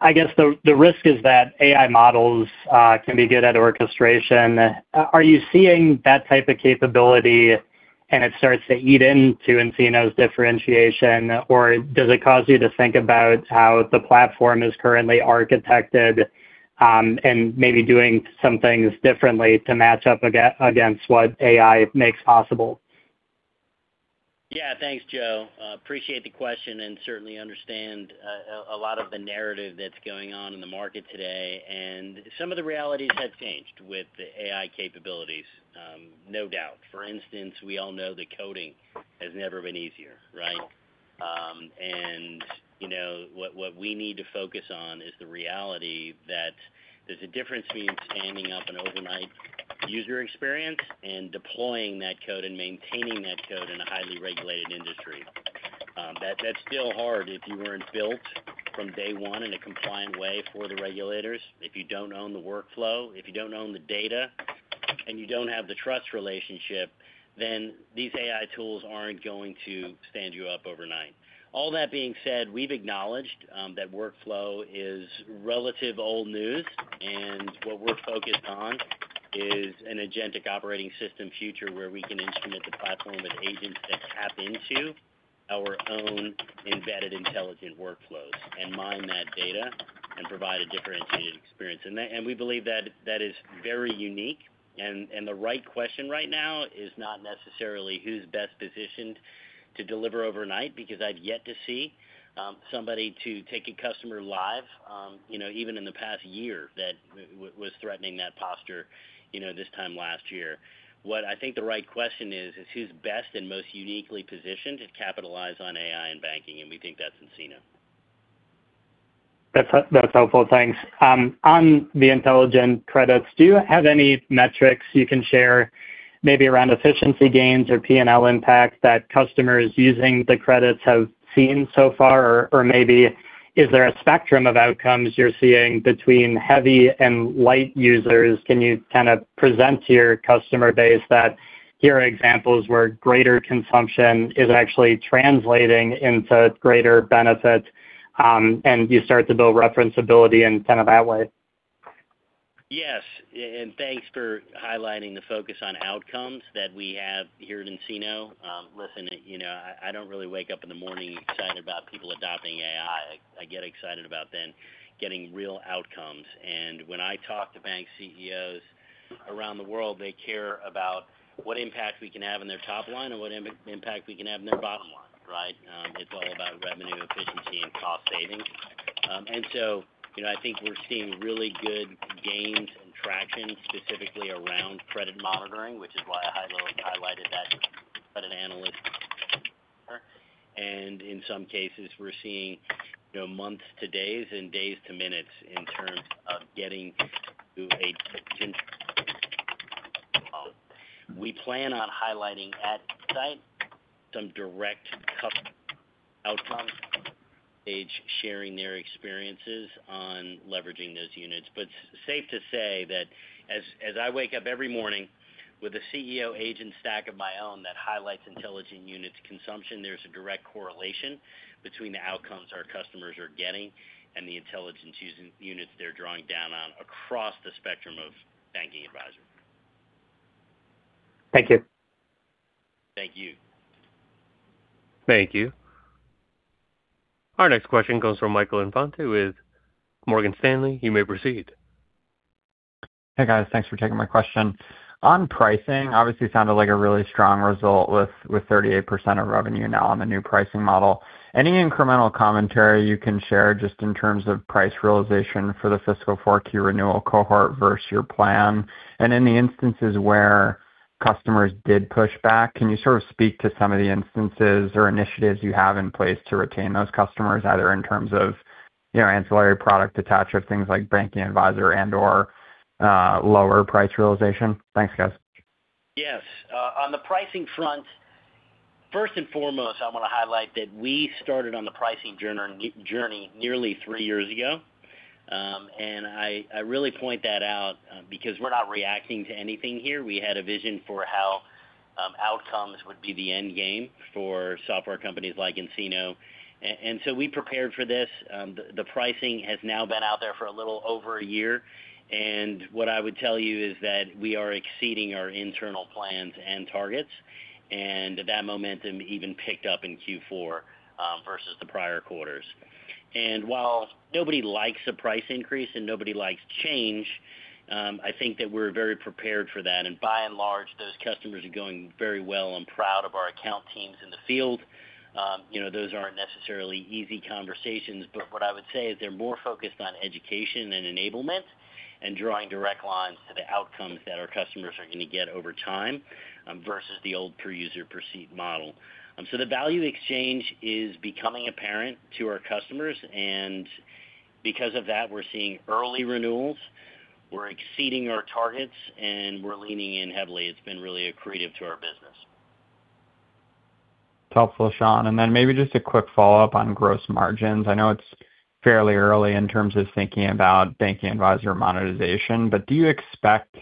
I guess the risk is that AI models can be good at orchestration. Are you seeing that type of capability and it starts to eat into nCino's differentiation, or does it cause you to think about how the platform is currently architected, and maybe doing some things differently to match up against what AI makes possible? Yeah. Thanks, Joe. Appreciate the question and certainly understand a lot of the narrative that's going on in the market today. Some of the realities have changed with the AI capabilities, no doubt. For instance, we all know that coding has never been easier, right? You know, what we need to focus on is the reality that there's a difference between standing up an overnight user experience and deploying that code and maintaining that code in a highly regulated industry. That's still hard if you weren't built from day one in a compliant way for the regulators. If you don't own the workflow, if you don't own the data, and you don't have the trust relationship, then these AI tools aren't going to stand you up overnight. All that being said, we've acknowledged that workflow is relatively old news, and what we're focused on is an agentic operating system future where we can instrument the platform with agents that tap into our own embedded intelligent workflows and mine that data and provide a differentiated experience. We believe that is very unique. The right question right now is not necessarily who's best positioned to deliver overnight because I've yet to see somebody that's taken a customer live, you know, even in the past year that was threatening that posture, you know, this time last year. What I think the right question is who's best and most uniquely positioned to capitalize on AI and banking, and we think that's nCino. That's helpful. Thanks. On the intelligence units, do you have any metrics you can share maybe around efficiency gains or P&L impact that customers using the units have seen so far? Or maybe is there a spectrum of outcomes you're seeing between heavy and light users? Can you kind of present to your customer base that here are examples where greater consumption is actually translating into greater benefits, and you start to build referenceability in kind of that way? Yes. Thanks for highlighting the focus on outcomes that we have here at nCino. Listen, you know, I don't really wake up in the morning excited about people adopting AI. I get excited about them getting real outcomes. When I talk to bank CEOs around the world, they care about what impact we can have in their top line and what impact we can have in their bottom line, right? It's all about revenue efficiency and cost savings. You know, I think we're seeing really good gains and traction specifically around credit monitoring, which is why I highlighted that credit analysis. In some cases, we're seeing months to days and days to minutes. We plan on highlighting at nSight some direct outcomes, e.g., sharing their experiences on leveraging those units. Safe to say that as I wake up every morning with a CEO agent stack of my own that highlights intelligence units consumption, there's a direct correlation between the outcomes our customers are getting and the intelligence units they're drawing down on across the spectrum of Banking Advisor. Thank you. Thank you. Thank you. Our next question comes from Michael Infante with Morgan Stanley. You may proceed. Hey, guys. Thanks for taking my question. On pricing, obviously sounded like a really strong result with 38% of revenue now on the new pricing model. Any incremental commentary you can share just in terms of price realization for the fiscal 4Q renewal cohort versus your plan? In the instances where customers did push back, can you sort of speak to some of the instances or initiatives you have in place to retain those customers, either in terms of, you know, ancillary product attach or things like Banking Advisor and/or lower price realization? Thanks, guys. Yes. On the pricing front, first and foremost, I want to highlight that we started on the pricing journey nearly three years ago. I really point that out because we're not reacting to anything here. We had a vision for how outcomes would be the end game for software companies like nCino. We prepared for this. The pricing has now been out there for a little over a year. What I would tell you is that we are exceeding our internal plans and targets, and that momentum even picked up in Q4 versus the prior quarters. While nobody likes a price increase and nobody likes change, I think that we're very prepared for that. By and large, those customers are going very well. I'm proud of our account teams in the field. You know, those aren't necessarily easy conversations, but what I would say is they're more focused on education and enablement and drawing direct lines to the outcomes that our customers are going to get over time versus the old per-user per-seat model. The value exchange is becoming apparent to our customers, and because of that, we're seeing early renewals, we're exceeding our targets, and we're leaning in heavily. It's been really accretive to our business. Helpful, Sean. Then maybe just a quick follow-up on gross margins. I know it's fairly early in terms of thinking about Banking Advisor monetization, but do you expect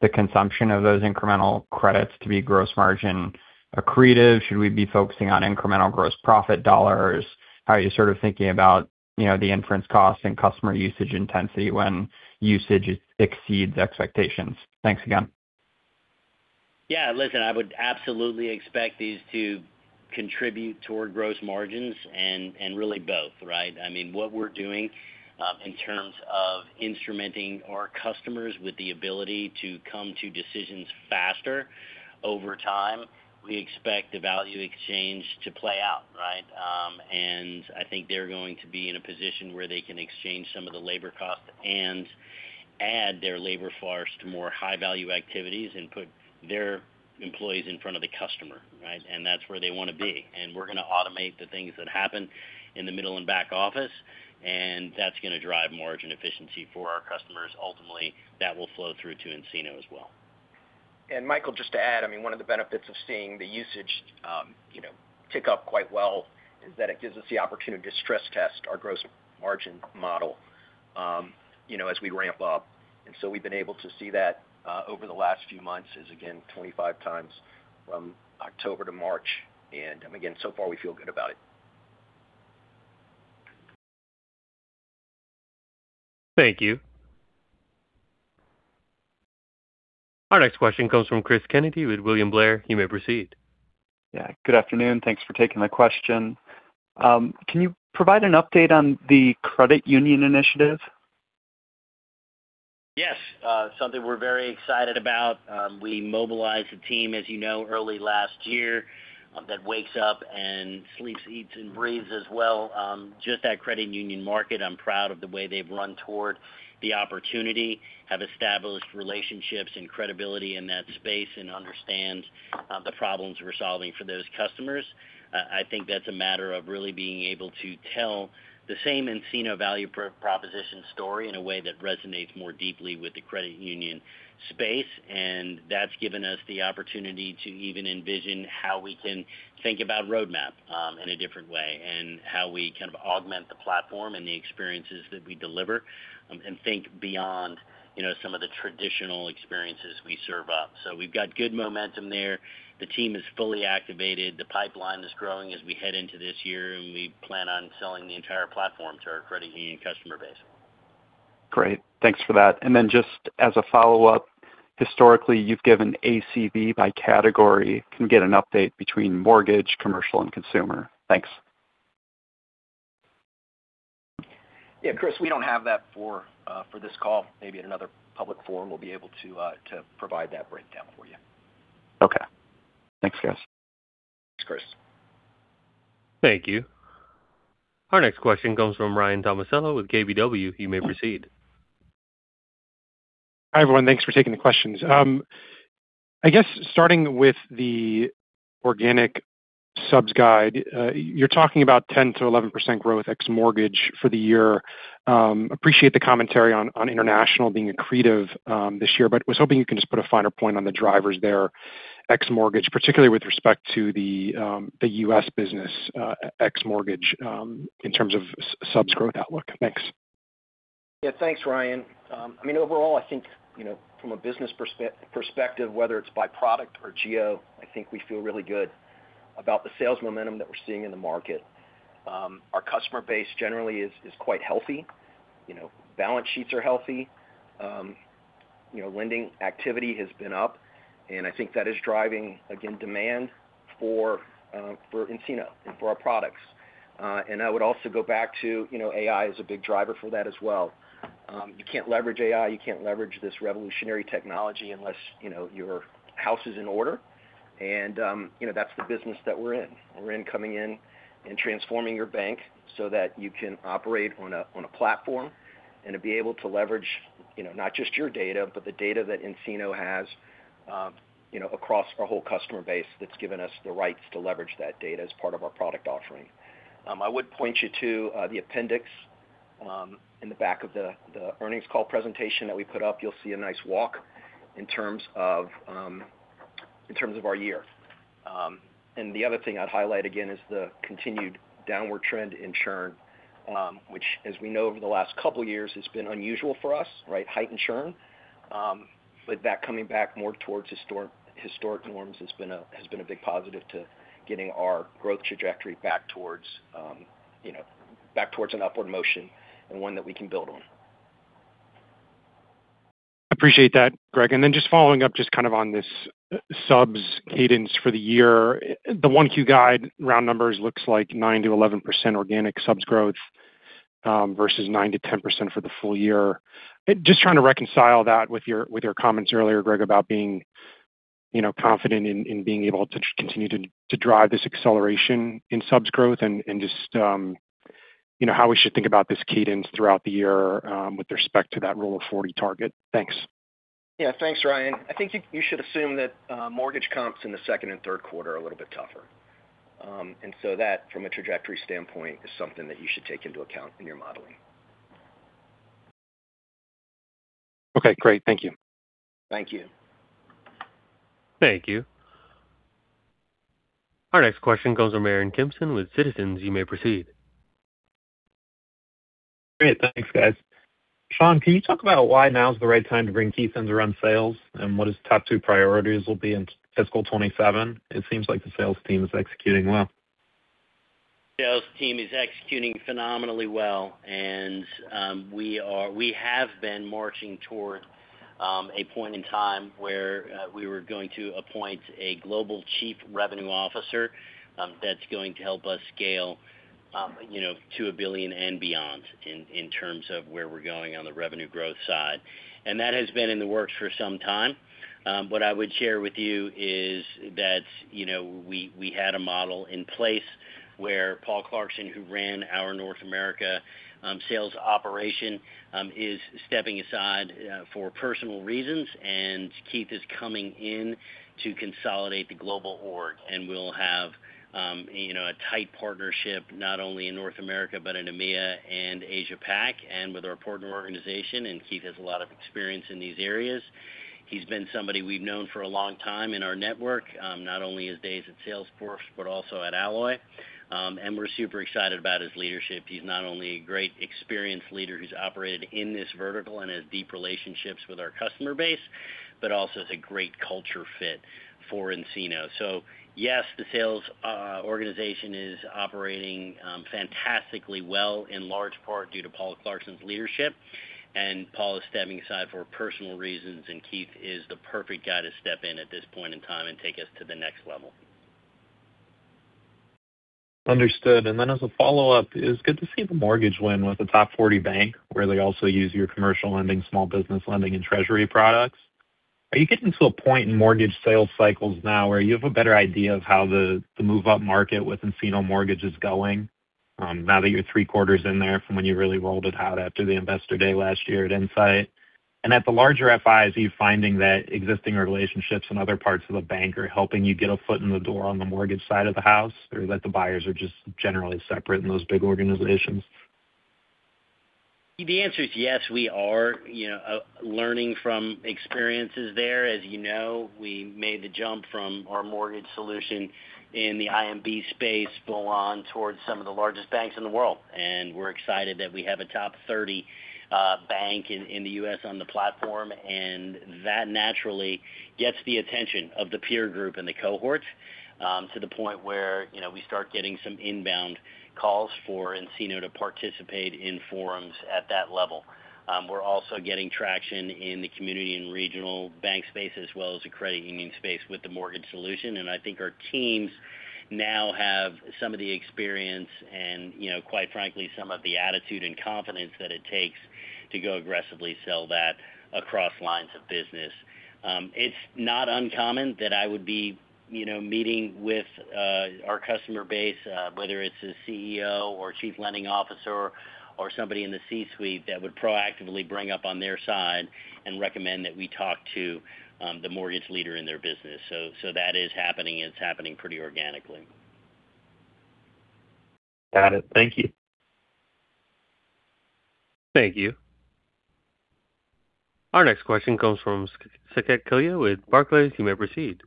the consumption of those incremental credits to be gross margin accretive? Should we be focusing on incremental gross profit dollars? How are you sort of thinking about, you know, the inference costs and customer usage intensity when usage exceeds expectations? Thanks again. Yeah, listen, I would absolutely expect these to contribute toward gross margins and really both, right? I mean, what we're doing in terms of instrumenting our customers with the ability to come to decisions faster over time, we expect the value exchange to play out, right? I think they're going to be in a position where they can exchange some of the labor costs and add their labor force to more high-value activities and put their employees in front of the customer, right? That's where they want to be. We're going to automate the things that happen in the middle and back office, and that's going to drive margin efficiency for our customers. Ultimately, that will flow through to nCino as well. Michael, just to add, I mean, one of the benefits of seeing the usage, you know, tick up quite well is that it gives us the opportunity to stress test our gross margin model, you know, as we ramp up. We've been able to see that over the last few months is, again, 25 times from October to March. Again, so far, we feel good about it. Thank you. Our next question comes from Chris Kennedy with William Blair. You may proceed. Yeah, good afternoon. Thanks for taking my question. Can you provide an update on the credit union initiative? Yes. Something we're very excited about. We mobilized the team, as you know, early last year, that wakes up and sleeps, eats, and breathes just that credit union market. I'm proud of the way they've run toward the opportunity, have established relationships and credibility in that space and understand the problems we're solving for those customers. I think that's a matter of really being able to tell the same nCino value proposition story in a way that resonates more deeply with the credit union space. That's given us the opportunity to even envision how we can think about roadmap in a different way and how we can augment the platform and the experiences that we deliver and think beyond, you know, some of the traditional experiences we serve up. We've got good momentum there. The team is fully activated. The pipeline is growing as we head into this year, and we plan on selling the entire platform to our credit union customer base. Great. Thanks for that. Just as a follow-up, historically, you've given ACV by category. Can we get an update between mortgage, commercial, and consumer? Thanks. Yeah, Chris, we don't have that for this call. Maybe in another public forum, we'll be able to provide that breakdown for you. Okay. Thanks, guys. Thanks, Chris. Thank you. Our next question comes from Ryan Tomasello with KBW. You may proceed. Hi, everyone. Thanks for taking the questions. I guess starting with the organic subs guide, you're talking about 10%-11% growth ex mortgage for the year. Appreciate the commentary on international being accretive this year, but was hoping you can just put a finer point on the drivers there, ex-mortgage, particularly with respect to the U.S. business ex mortgage in terms of subs growth outlook. Thanks. Yeah, thanks, Ryan. I mean, overall, I think, you know, from a business perspective, whether it's by product or geo, I think we feel really good about the sales momentum that we're seeing in the market. Our customer base generally is quite healthy. You know, balance sheets are healthy. You know, lending activity has been up, and I think that is driving, again, demand for nCino and for our products. I would also go back to, you know, AI is a big driver for that as well. You can't leverage AI, you can't leverage this revolutionary technology unless, you know, your house is in order. That's the business that we're in. We're coming in and transforming your bank so that you can operate on a platform and to be able to leverage, you know, not just your data, but the data that nCino has, you know, across our whole customer base that's given us the rights to leverage that data as part of our product offering. I would point you to the appendix in the back of the earnings call presentation that we put up. You'll see a nice walk in terms of our year. The other thing I'd highlight again is the continued downward trend in churn, which as we know, over the last couple of years has been unusual for us, right? Heightened churn. With that coming back more towards historic norms has been a big positive to getting our growth trajectory back towards, you know, back towards an upward motion and one that we can build on. Appreciate that, Greg. Just following up just kind of on this subs cadence for the year. The 1Q guide round numbers looks like 9%-11% organic subs growth versus 9%-10% for the full year. Just trying to reconcile that with your comments earlier, Greg, about being, you know, confident in being able to continue to drive this acceleration in subs growth and just, you know, how we should think about this cadence throughout the year with respect to that Rule of 40 target. Thanks. Yeah. Thanks, Ryan. I think you should assume that mortgage comps in the second and third quarter are a little bit tougher. That, from a trajectory standpoint, is something that you should take into account in your modeling. Okay, great. Thank you. Thank you. Thank you. Our next question goes to Aaron Kimson with Citizens JMP. You may proceed. Great. Thanks, guys. Sean, can you talk about why now is the right time to bring Keith in to run sales, and what his top two priorities will be in fiscal 2027? It seems like the sales team is executing well. Sales team is executing phenomenally well. We have been marching towards a point in time where we were going to appoint a global Chief Revenue Officer that's going to help us scale, you know, to a billion and beyond in terms of where we're going on the revenue growth side. That has been in the works for some time. What I would share with you is that, you know, we had a model in place where Paul Clarkson, who ran our North America sales operation, is stepping aside for personal reasons, and Keith Kittell is coming in to consolidate the global org. We'll have, you know, a tight partnership not only in North America but in EMEA and APAC and with our partner organization. Keith has a lot of experience in these areas. He's been somebody we've known for a long time in our network, not only his days at Salesforce, but also at Alloy. We're super excited about his leadership. He's not only a great experienced leader who's operated in this vertical and has deep relationships with our customer base, but also is a great culture fit for nCino. Yes, the sales organization is operating fantastically well, in large part due to Paul Clarkson's leadership. Paul is stepping aside for personal reasons, and Keith is the perfect guy to step in at this point in time and take us to the next level. Understood. As a follow-up, it was good to see the mortgage win with a top 40 bank where they also use your commercial lending, small business lending and treasury products. Are you getting to a point in mortgage sales cycles now where you have a better idea of how the move-up market with nCino mortgage is going, now that you're three-quarters in there from when you really rolled it out after the investor day last year at nSight? At the larger FIs, are you finding that existing relationships in other parts of the bank are helping you get a foot in the door on the mortgage side of the house, or that the buyers are just generally separate in those big organizations? The answer is yes, we are, you know, learning from experiences there. As you know, we made the jump from our mortgage solution in the IMB space full on towards some of the largest banks in the world. We're excited that we have a top 30 bank in the U.S. on the platform. That naturally gets the attention of the peer group and the cohorts to the point where, you know, we start getting some inbound calls for nCino to participate in forums at that level. We're also getting traction in the community and regional bank space as well as the credit union space with the mortgage solution. I think our teams now have some of the experience and, you know, quite frankly, some of the attitude and confidence that it takes to go aggressively sell that across lines of business. It's not uncommon that I would be, you know, meeting with our customer base, whether it's a CEO or Chief Lending Officer or somebody in the C-suite that would proactively bring up on their side and recommend that we talk to the mortgage leader in their business. That is happening, and it's happening pretty organically. Got it. Thank you. Thank you. Our next question comes from Saket Kalia with Barclays. You may proceed.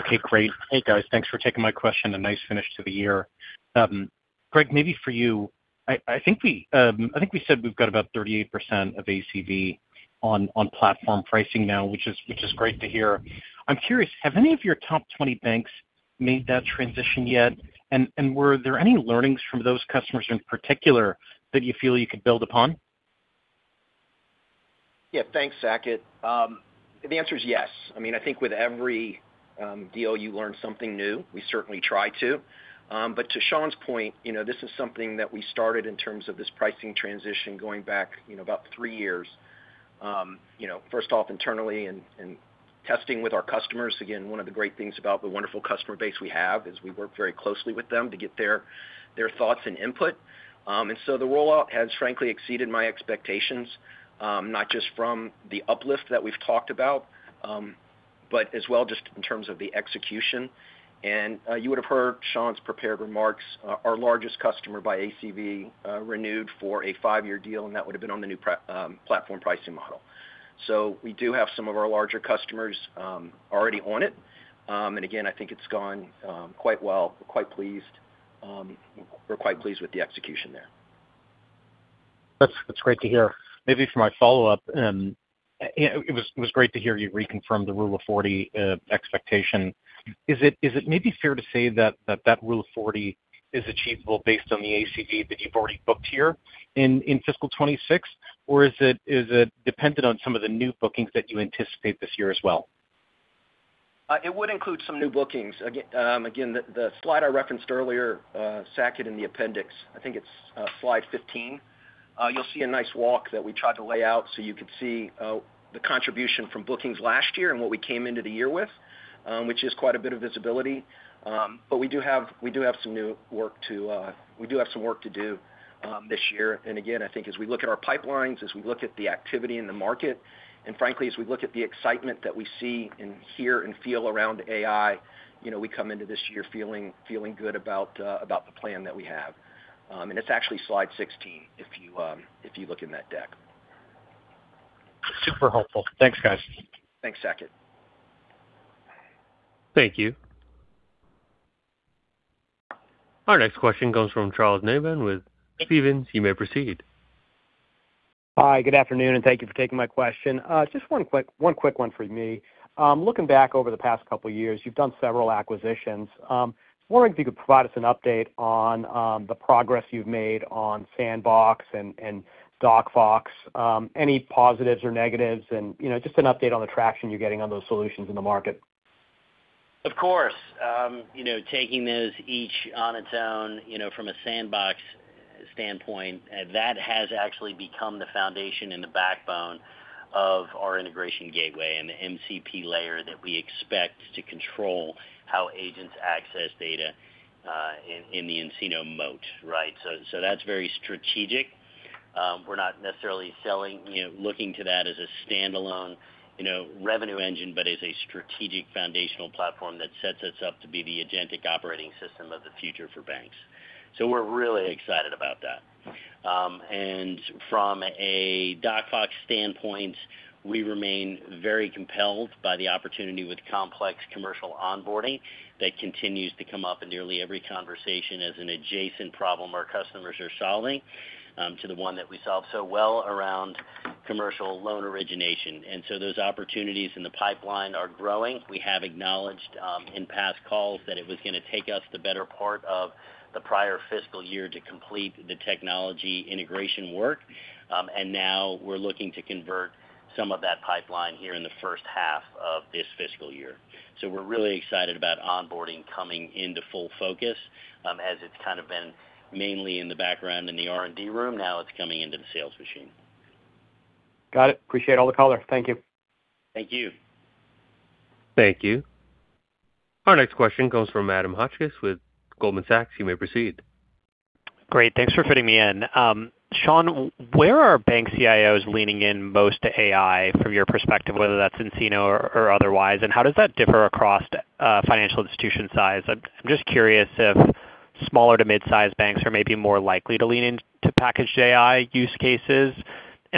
Okay, great. Hey, guys. Thanks for taking my question. A nice finish to the year. Greg, maybe for you. I think we said we've got about 38% of ACV on platform pricing now, which is great to hear. I'm curious, have any of your top 20 banks made that transition yet? Were there any learnings from those customers in particular that you feel you could build upon? Yeah. Thanks, Saket. The answer is yes. I mean, I think with every deal you learn something new. We certainly try to. But to Sean's point, you know, this is something that we started in terms of this pricing transition going back, you know, about three years. You know, first off, internally and testing with our customers. Again, one of the great things about the wonderful customer base we have is we work very closely with them to get their thoughts and input. The rollout has frankly exceeded my expectations, not just from the uplift that we've talked about, but as well just in terms of the execution. You would have heard Sean's prepared remarks. Our largest customer by ACV renewed for a five-year deal, and that would have been on the new platform pricing model. We do have some of our larger customers already on it. Again, I think it's gone quite well. We're quite pleased with the execution there. That's great to hear. Maybe for my follow-up. It was great to hear you reconfirm the Rule of 40 expectation. Is it maybe fair to say that that Rule of 40 is achievable based on the ACV that you've already booked here in fiscal 2026? Or is it dependent on some of the new bookings that you anticipate this year as well? It would include some new bookings. Again, the slide I referenced earlier, Saket, in the appendix, I think it's slide 15. You'll see a nice walk that we tried to lay out so you could see the contribution from bookings last year and what we came into the year with, which is quite a bit of visibility. But we do have some work to do this year. Again, I think as we look at our pipelines, as we look at the activity in the market, and frankly, as we look at the excitement that we see and hear and feel around AI, you know, we come into this year feeling good about the plan that we have. It's actually slide 16 if you look in that deck. Super helpful. Thanks, guys. Thanks, Saket. Thank you. Our next question comes from Charles Nabhan with Stephens. You may proceed. Hi, good afternoon, and thank you for taking my question. Just one quick one for me. Looking back over the past couple years, you've done several acquisitions. I was wondering if you could provide us an update on the progress you've made on Sandbox and DocFox, any positives or negatives and, you know, just an update on the traction you're getting on those solutions in the market. Of course. You know, taking those each on its own, you know, from a Sandbox standpoint, that has actually become the foundation and the backbone of our integration gateway and the MCP layer that we expect to control how agents access data in the nCino moat, right? That's very strategic. We're not necessarily selling, you know, looking to that as a standalone, you know, revenue engine, but as a strategic foundational platform that sets us up to be the agentic operating system of the future for banks. We're really excited about that. From a DocFox standpoint, we remain very compelled by the opportunity with complex commercial onboarding that continues to come up in nearly every conversation as an adjacent problem our customers are solving to the one that we solve so well around commercial loan origination. Those opportunities in the pipeline are growing. We have acknowledged in past calls that it was gonna take us the better part of the prior fiscal year to complete the technology integration work. Now we're looking to convert some of that pipeline here in the first half of this fiscal year. We're really excited about onboarding coming into full focus, as it's kind of been mainly in the background in the R&D room. Now it's coming into the sales machine. Got it. Appreciate all the color. Thank you. Thank you. Thank you. Our next question comes from Adam Hotchkiss with Goldman Sachs. You may proceed. Great. Thanks for fitting me in. Sean, where are bank CIOs leaning in most to AI from your perspective, whether that's nCino or otherwise, and how does that differ across financial institution size? I'm just curious if smaller to mid-size banks are maybe more likely to lean in to packaged AI use cases.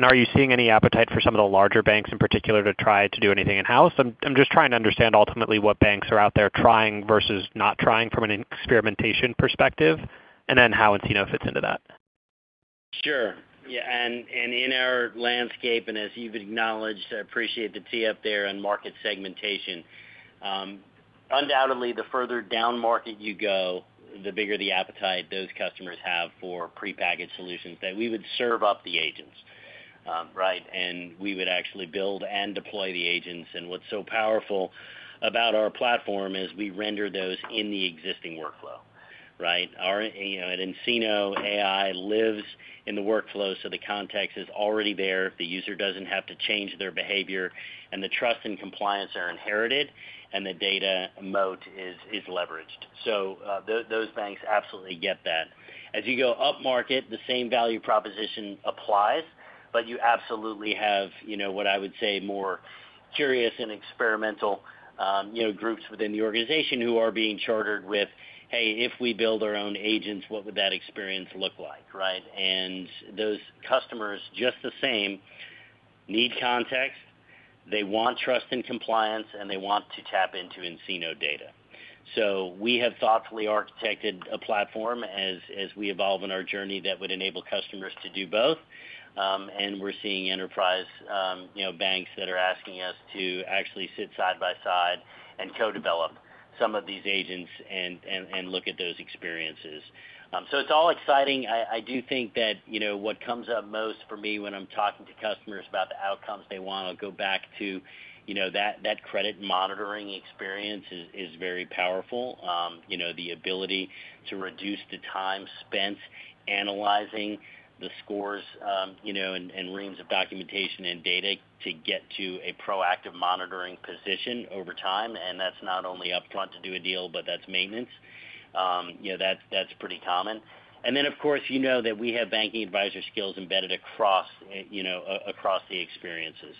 Are you seeing any appetite for some of the larger banks in particular to try to do anything in-house? I'm just trying to understand ultimately what banks are out there trying versus not trying from an experimentation perspective, and then how nCino fits into that. Sure. Yeah. In our landscape, and as you've acknowledged, I appreciate the tee up there on market segmentation. Undoubtedly the further downmarket you go, the bigger the appetite those customers have for prepackaged solutions that we would serve up the agents, right? We would actually build and deploy the agents. What's so powerful about our platform is we render those in the existing workflow, right? You know, at nCino, AI lives in the workflow, so the context is already there. The user doesn't have to change their behavior, and the trust and compliance are inherited, and the data moat is leveraged. Those banks absolutely get that. As you go upmarket, the same value proposition applies, but you absolutely have, you know, what I would say more curious and experimental, you know, groups within the organization who are being chartered with, "Hey, if we build our own agents, what would that experience look like?" right? Those customers just the same need context, they want trust and compliance, and they want to tap into nCino data. We have thoughtfully architected a platform as we evolve in our journey that would enable customers to do both. We're seeing enterprise, you know, banks that are asking us to actually sit side by side and co-develop some of these agents and look at those experiences. It's all exciting. I do think that, you know, what comes up most for me when I'm talking to customers about the outcomes they want. I'll go back to, you know, that credit monitoring experience is very powerful. You know, the ability to reduce the time spent analyzing the scores, you know, and reams of documentation and data to get to a proactive monitoring position over time. That's not only upfront to do a deal, but that's maintenance. You know, that's pretty common. Then of course, you know that we have Banking Advisor skills embedded across, you know, across the experiences.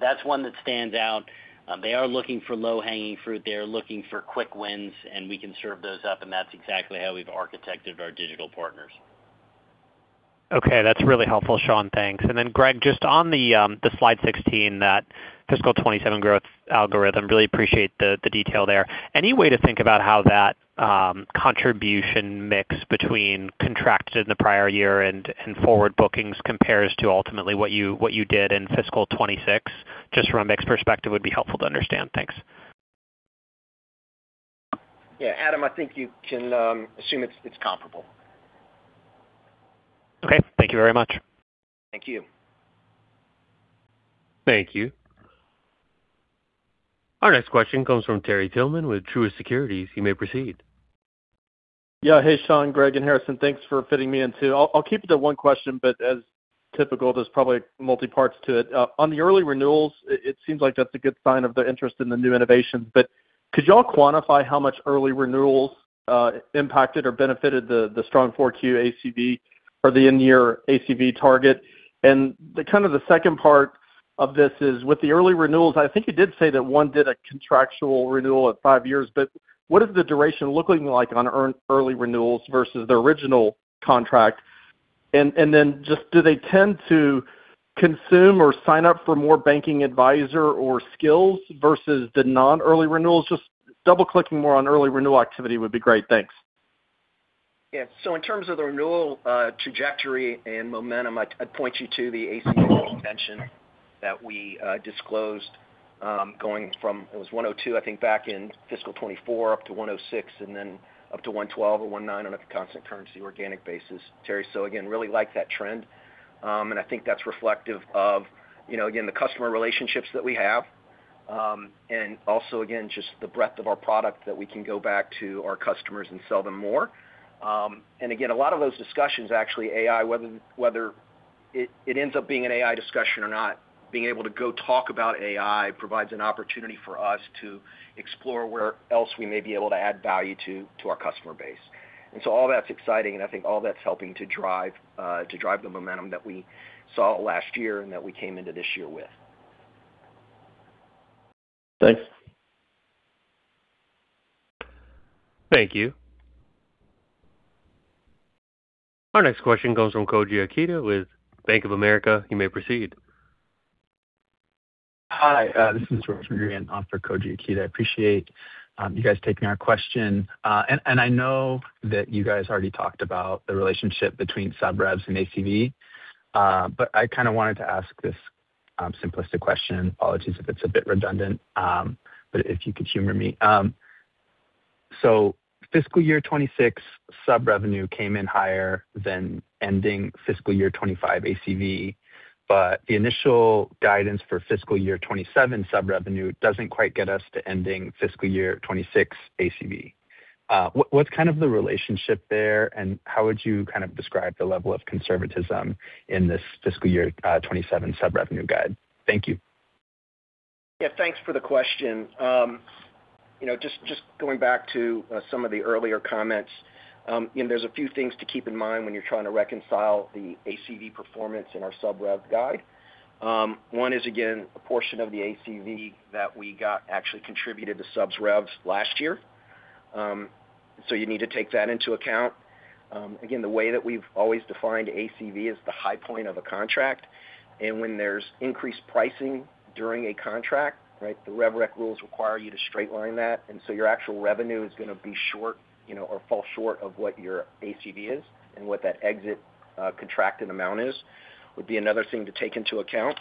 That's one that stands out. They are looking for low-hanging fruit. They are looking for quick wins, and we can serve those up, and that's exactly how we've architected our Digital Partners. Okay. That's really helpful, Sean. Thanks. Greg, just on the slide 16, that fiscal 2027 growth algorithm, really appreciate the detail there. Any way to think about how that contribution mix between contracted in the prior year and forward bookings compares to ultimately what you did in fiscal 2026, just from a mix perspective would be helpful to understand. Thanks. Yeah, Adam, I think you can assume it's comparable. Okay. Thank you very much. Thank you. Thank you. Our next question comes from Terry Tillman with Truist Securities. You may proceed. Yeah. Hey, Sean, Greg, and Harrison. Thanks for fitting me in too. I'll keep it to one question, but as typical, there's probably multi parts to it. On the early renewals, it seems like that's a good sign of the interest in the new innovation. Could you all quantify how much early renewals impacted or benefited the strong Q4 ACV or the in-year ACV target? The kind of the second part of this is with the early renewals, I think you did say that one did a contractual renewal at five years, but what is the duration looking like on early renewals versus the original contract? Then just do they tend to consume or sign up for more Banking Advisor or skills versus the non-early renewals? Just double-clicking more on early renewal activity would be great. Thanks. Yeah. In terms of the renewal trajectory and momentum, I'd point you to the ACV extension that we disclosed, going from, it was 102, I think back in fiscal 2024 up to 106, and then up to 112 or 119 on a constant currency organic basis, Terry. Again, really like that trend. I think that's reflective of, you know, again, the customer relationships that we have, and also again, just the breadth of our product that we can go back to our customers and sell them more. Again, a lot of those discussions, actually AI, whether it ends up being an AI discussion or not, being able to go talk about AI provides an opportunity for us to explore where else we may be able to add value to our customer base. All that's exciting, and I think all that's helping to drive the momentum that we saw last year and that we came into this year with. Thanks. Thank you. Our next question comes from Koji Ikeda with Bank of America. You may proceed. Hi, this is George McGrehan and Koji Ikeda. I appreciate you guys taking our question. I know that you guys already talked about the relationship between sub revs and ACV, but I kinda wanted to ask this simplistic question. Apologies if it's a bit redundant, but if you could humor me. Fiscal year 2026 sub-revenue came in higher than ending fiscal year 2025 ACV, but the initial guidance for fiscal year 2027 sub-revenue doesn't quite get us to ending fiscal year 2026 ACV. What's kind of the relationship there, and how would you kind of describe the level of conservatism in this fiscal year 2027 sub-revenue guide? Thank you. Yeah, thanks for the question. You know, just going back to some of the earlier comments, you know, there's a few things to keep in mind when you're trying to reconcile the ACV performance in our sub rev guide. One is, again, a portion of the ACV that we got actually contributed to subs revs last year. So you need to take that into account. Again, the way that we've always defined ACV is the high point of a contract. When there's increased pricing during a contract, right, the rev rec rules require you to straight line that. Your actual revenue is gonna be short, you know, or fall short of what your ACV is and what that exit contracted amount is, would be another thing to take into account.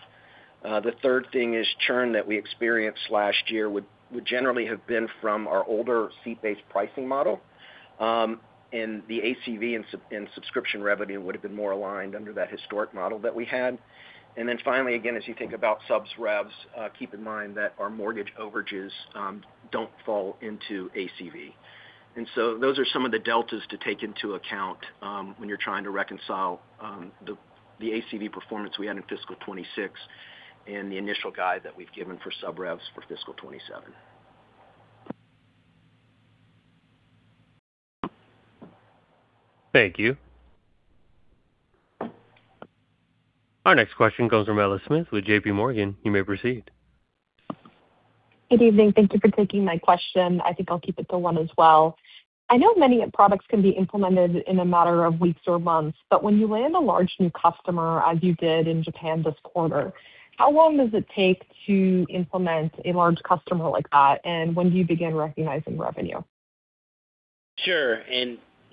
The third thing is churn that we experienced last year would generally have been from our older seat-based pricing model. The ACV and subscription revenue would have been more aligned under that historic model that we had. Finally, again, as you think about subs revs, keep in mind that our mortgage overages don't fall into ACV. Those are some of the deltas to take into account when you're trying to reconcile the ACV performance we had in fiscal 2026 and the initial guide that we've given for sub revs for fiscal 2027. Thank you. Our next question comes from Ella Smith with J.P. Morgan. You may proceed. Good evening. Thank you for taking my question. I think I'll keep it to one as well. I know many products can be implemented in a matter of weeks or months, but when you land a large new customer, as you did in Japan this quarter, how long does it take to implement a large customer like that? And when do you begin recognizing revenue? Sure.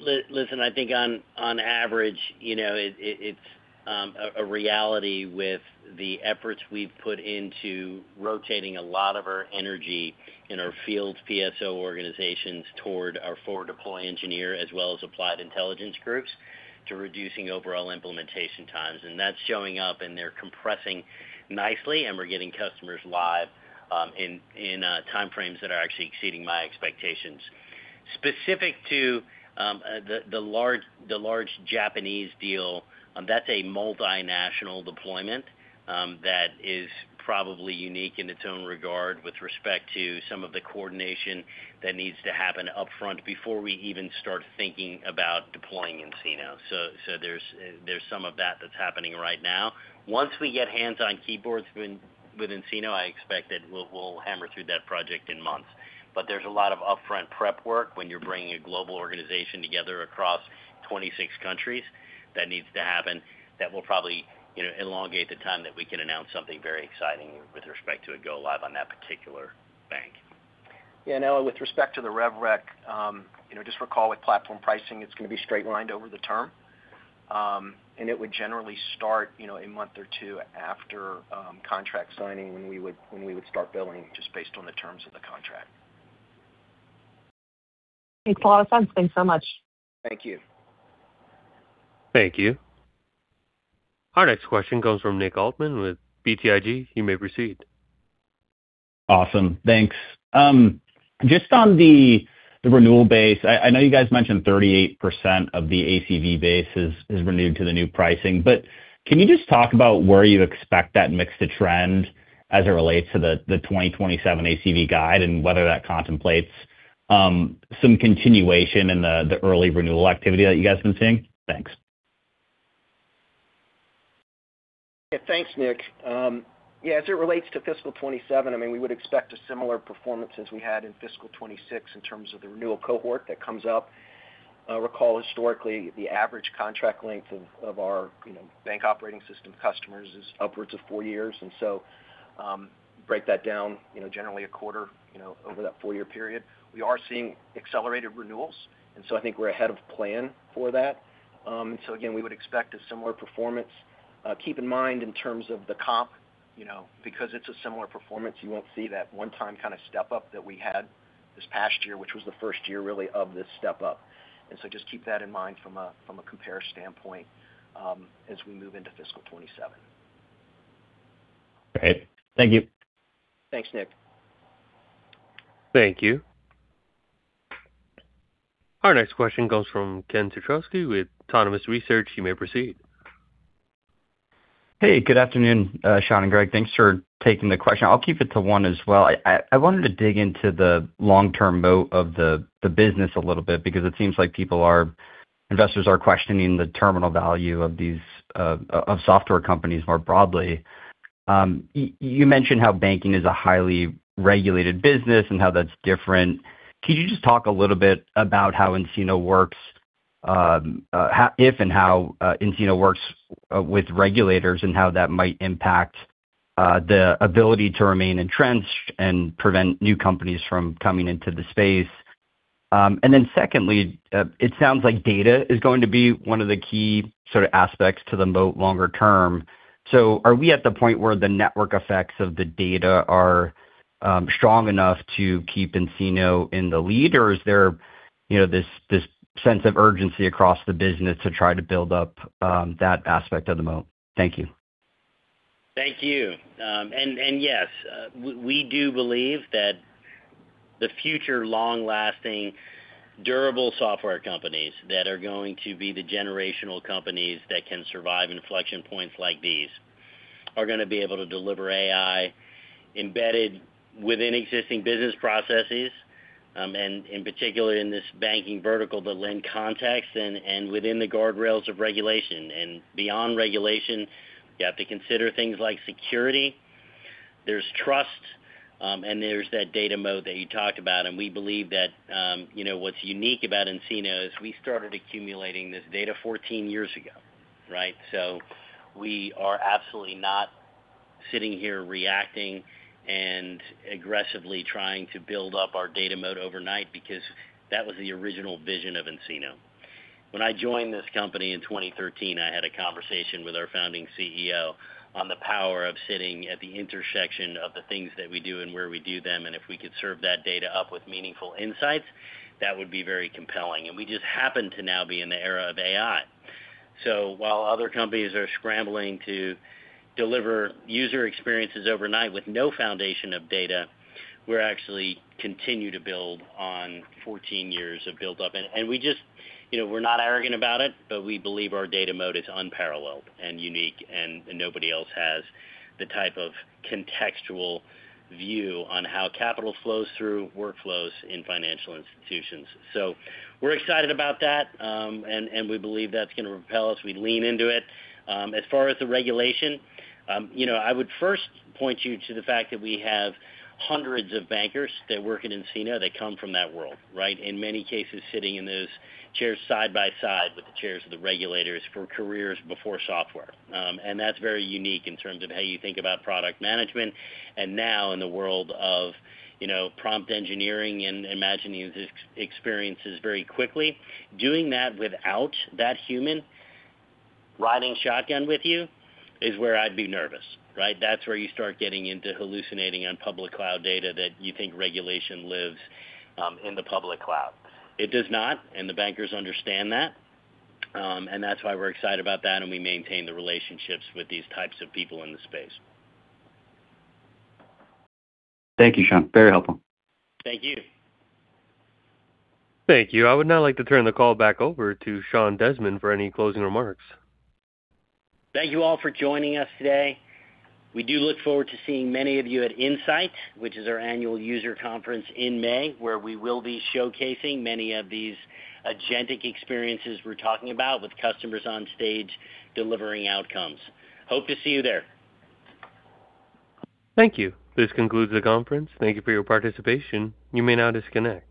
Listen, I think on average, you know, it's a reality with the efforts we've put into rotating a lot of our energy in our field PSO organizations toward our Forward Deploy Engineer as well as Applied Intelligence groups to reducing overall implementation times. That's showing up, and they're compressing nicely, and we're getting customers live in time frames that are actually exceeding my expectations. Specific to the large Japanese deal, that's a multinational deployment that is probably unique in its own regard with respect to some of the coordination that needs to happen upfront before we even start thinking about deploying nCino. There's some of that that's happening right now. Once we get hands-on keyboards with nCino, I expect that we'll hammer through that project in months. There's a lot of upfront prep work when you're bringing a global organization together across 26 countries that needs to happen that will probably, you know, elongate the time that we can announce something very exciting with respect to a go live on that particular bank. Yeah, Ella, with respect to the rev rec, you know, just recall with platform pricing, it's gonna be straight-lined over the term. It would generally start, you know, a month or two after contract signing when we would start billing just based on the terms of the contract. Thanks, Sean. Thanks so much. Thank you. Thank you. Our next question comes from Nick Altmann with BTIG. You may proceed. Awesome. Thanks. Just on the renewal base. I know you guys mentioned 38% of the ACV base is renewed to the new pricing, but can you just talk about where you expect that mix to trend as it relates to the 2027 ACV guide and whether that contemplates some continuation in the early renewal activity that you guys have been seeing? Thanks. Yeah. Thanks, Nick. Yeah, as it relates to fiscal 2027, I mean, we would expect a similar performance as we had in fiscal 2026 in terms of the renewal cohort that comes up. Recall historically the average contract length of our, you know, bank operating system customers is upwards of four years. Break that down, you know, generally a quarter, you know, over that four-year period. We are seeing accelerated renewals, and so I think we're ahead of plan for that. Again, we would expect a similar performance. Keep in mind, in terms of the comp, you know, because it's a similar performance, you won't see that one-time kind of step up that we had this past year, which was the first year really of this step up. Just keep that in mind from a compare standpoint, as we move into fiscal 2027. Great. Thank you. Thanks, Nick. Thank you. Our next question comes from Ken Suchoski with Autonomous Research. You may proceed. Hey, good afternoon, Sean and Greg. Thanks for taking the question. I'll keep it to one as well. I wanted to dig into the long-term moat of the business a little bit because it seems like investors are questioning the terminal value of these software companies more broadly. You mentioned how banking is a highly regulated business and how that's different. Can you just talk a little bit about how nCino works with regulators and how that might impact the ability to remain entrenched and prevent new companies from coming into the space. Secondly, it sounds like data is going to be one of the key sort of aspects to the moat longer term. Are we at the point where the network effects of the data are strong enough to keep nCino in the lead, or is there, you know, this sense of urgency across the business to try to build up that aspect of the moat? Thank you. Thank you. Yes, we do believe that the future long-lasting durable software companies that are going to be the generational companies that can survive inflection points like these are gonna be able to deliver AI embedded within existing business processes, and in particular in this banking vertical to lend context and within the guardrails of regulation. Beyond regulation, you have to consider things like security. There's trust, and there's that data moat that you talked about. We believe that, you know, what's unique about nCino is we started accumulating this data 14 years ago, right? We are absolutely not sitting here reacting and aggressively trying to build up our data moat overnight because that was the original vision of nCino. When I joined this company in 2013, I had a conversation with our founding CEO on the power of sitting at the intersection of the things that we do and where we do them, and if we could serve that data up with meaningful insights, that would be very compelling. We just happen to now be in the era of AI. While other companies are scrambling to deliver user experiences overnight with no foundation of data, we actually continue to build on 14 years of buildup. We just, you know, we're not arrogant about it, but we believe our data moat is unparalleled and unique and nobody else has the type of contextual view on how capital flows through workflows in financial institutions. We're excited about that, and we believe that's gonna propel us. We lean into it. As far as the regulation, you know, I would first point you to the fact that we have hundreds of bankers that work at nCino. They come from that world, right? In many cases, sitting in those chairs side by side with the chairs of the regulators for careers before software. That's very unique in terms of how you think about product management. Now in the world of, you know, prompt engineering and imagining experiences very quickly, doing that without that human riding shotgun with you is where I'd be nervous, right? That's where you start getting into hallucinating on public cloud data that you think regulation lives in the public cloud. It does not, and the bankers understand that. That's why we're excited about that, and we maintain the relationships with these types of people in the space. Thank you, Sean. Very helpful. Thank you. Thank you. I would now like to turn the call back over to Sean Desmond for any closing remarks. Thank you all for joining us today. We do look forward to seeing many of you at nSight, which is our annual user conference in May, where we will be showcasing many of these agentic experiences we're talking about with customers on stage delivering outcomes. Hope to see you there. Thank you. This concludes the conference. Thank you for your participation. You may now disconnect.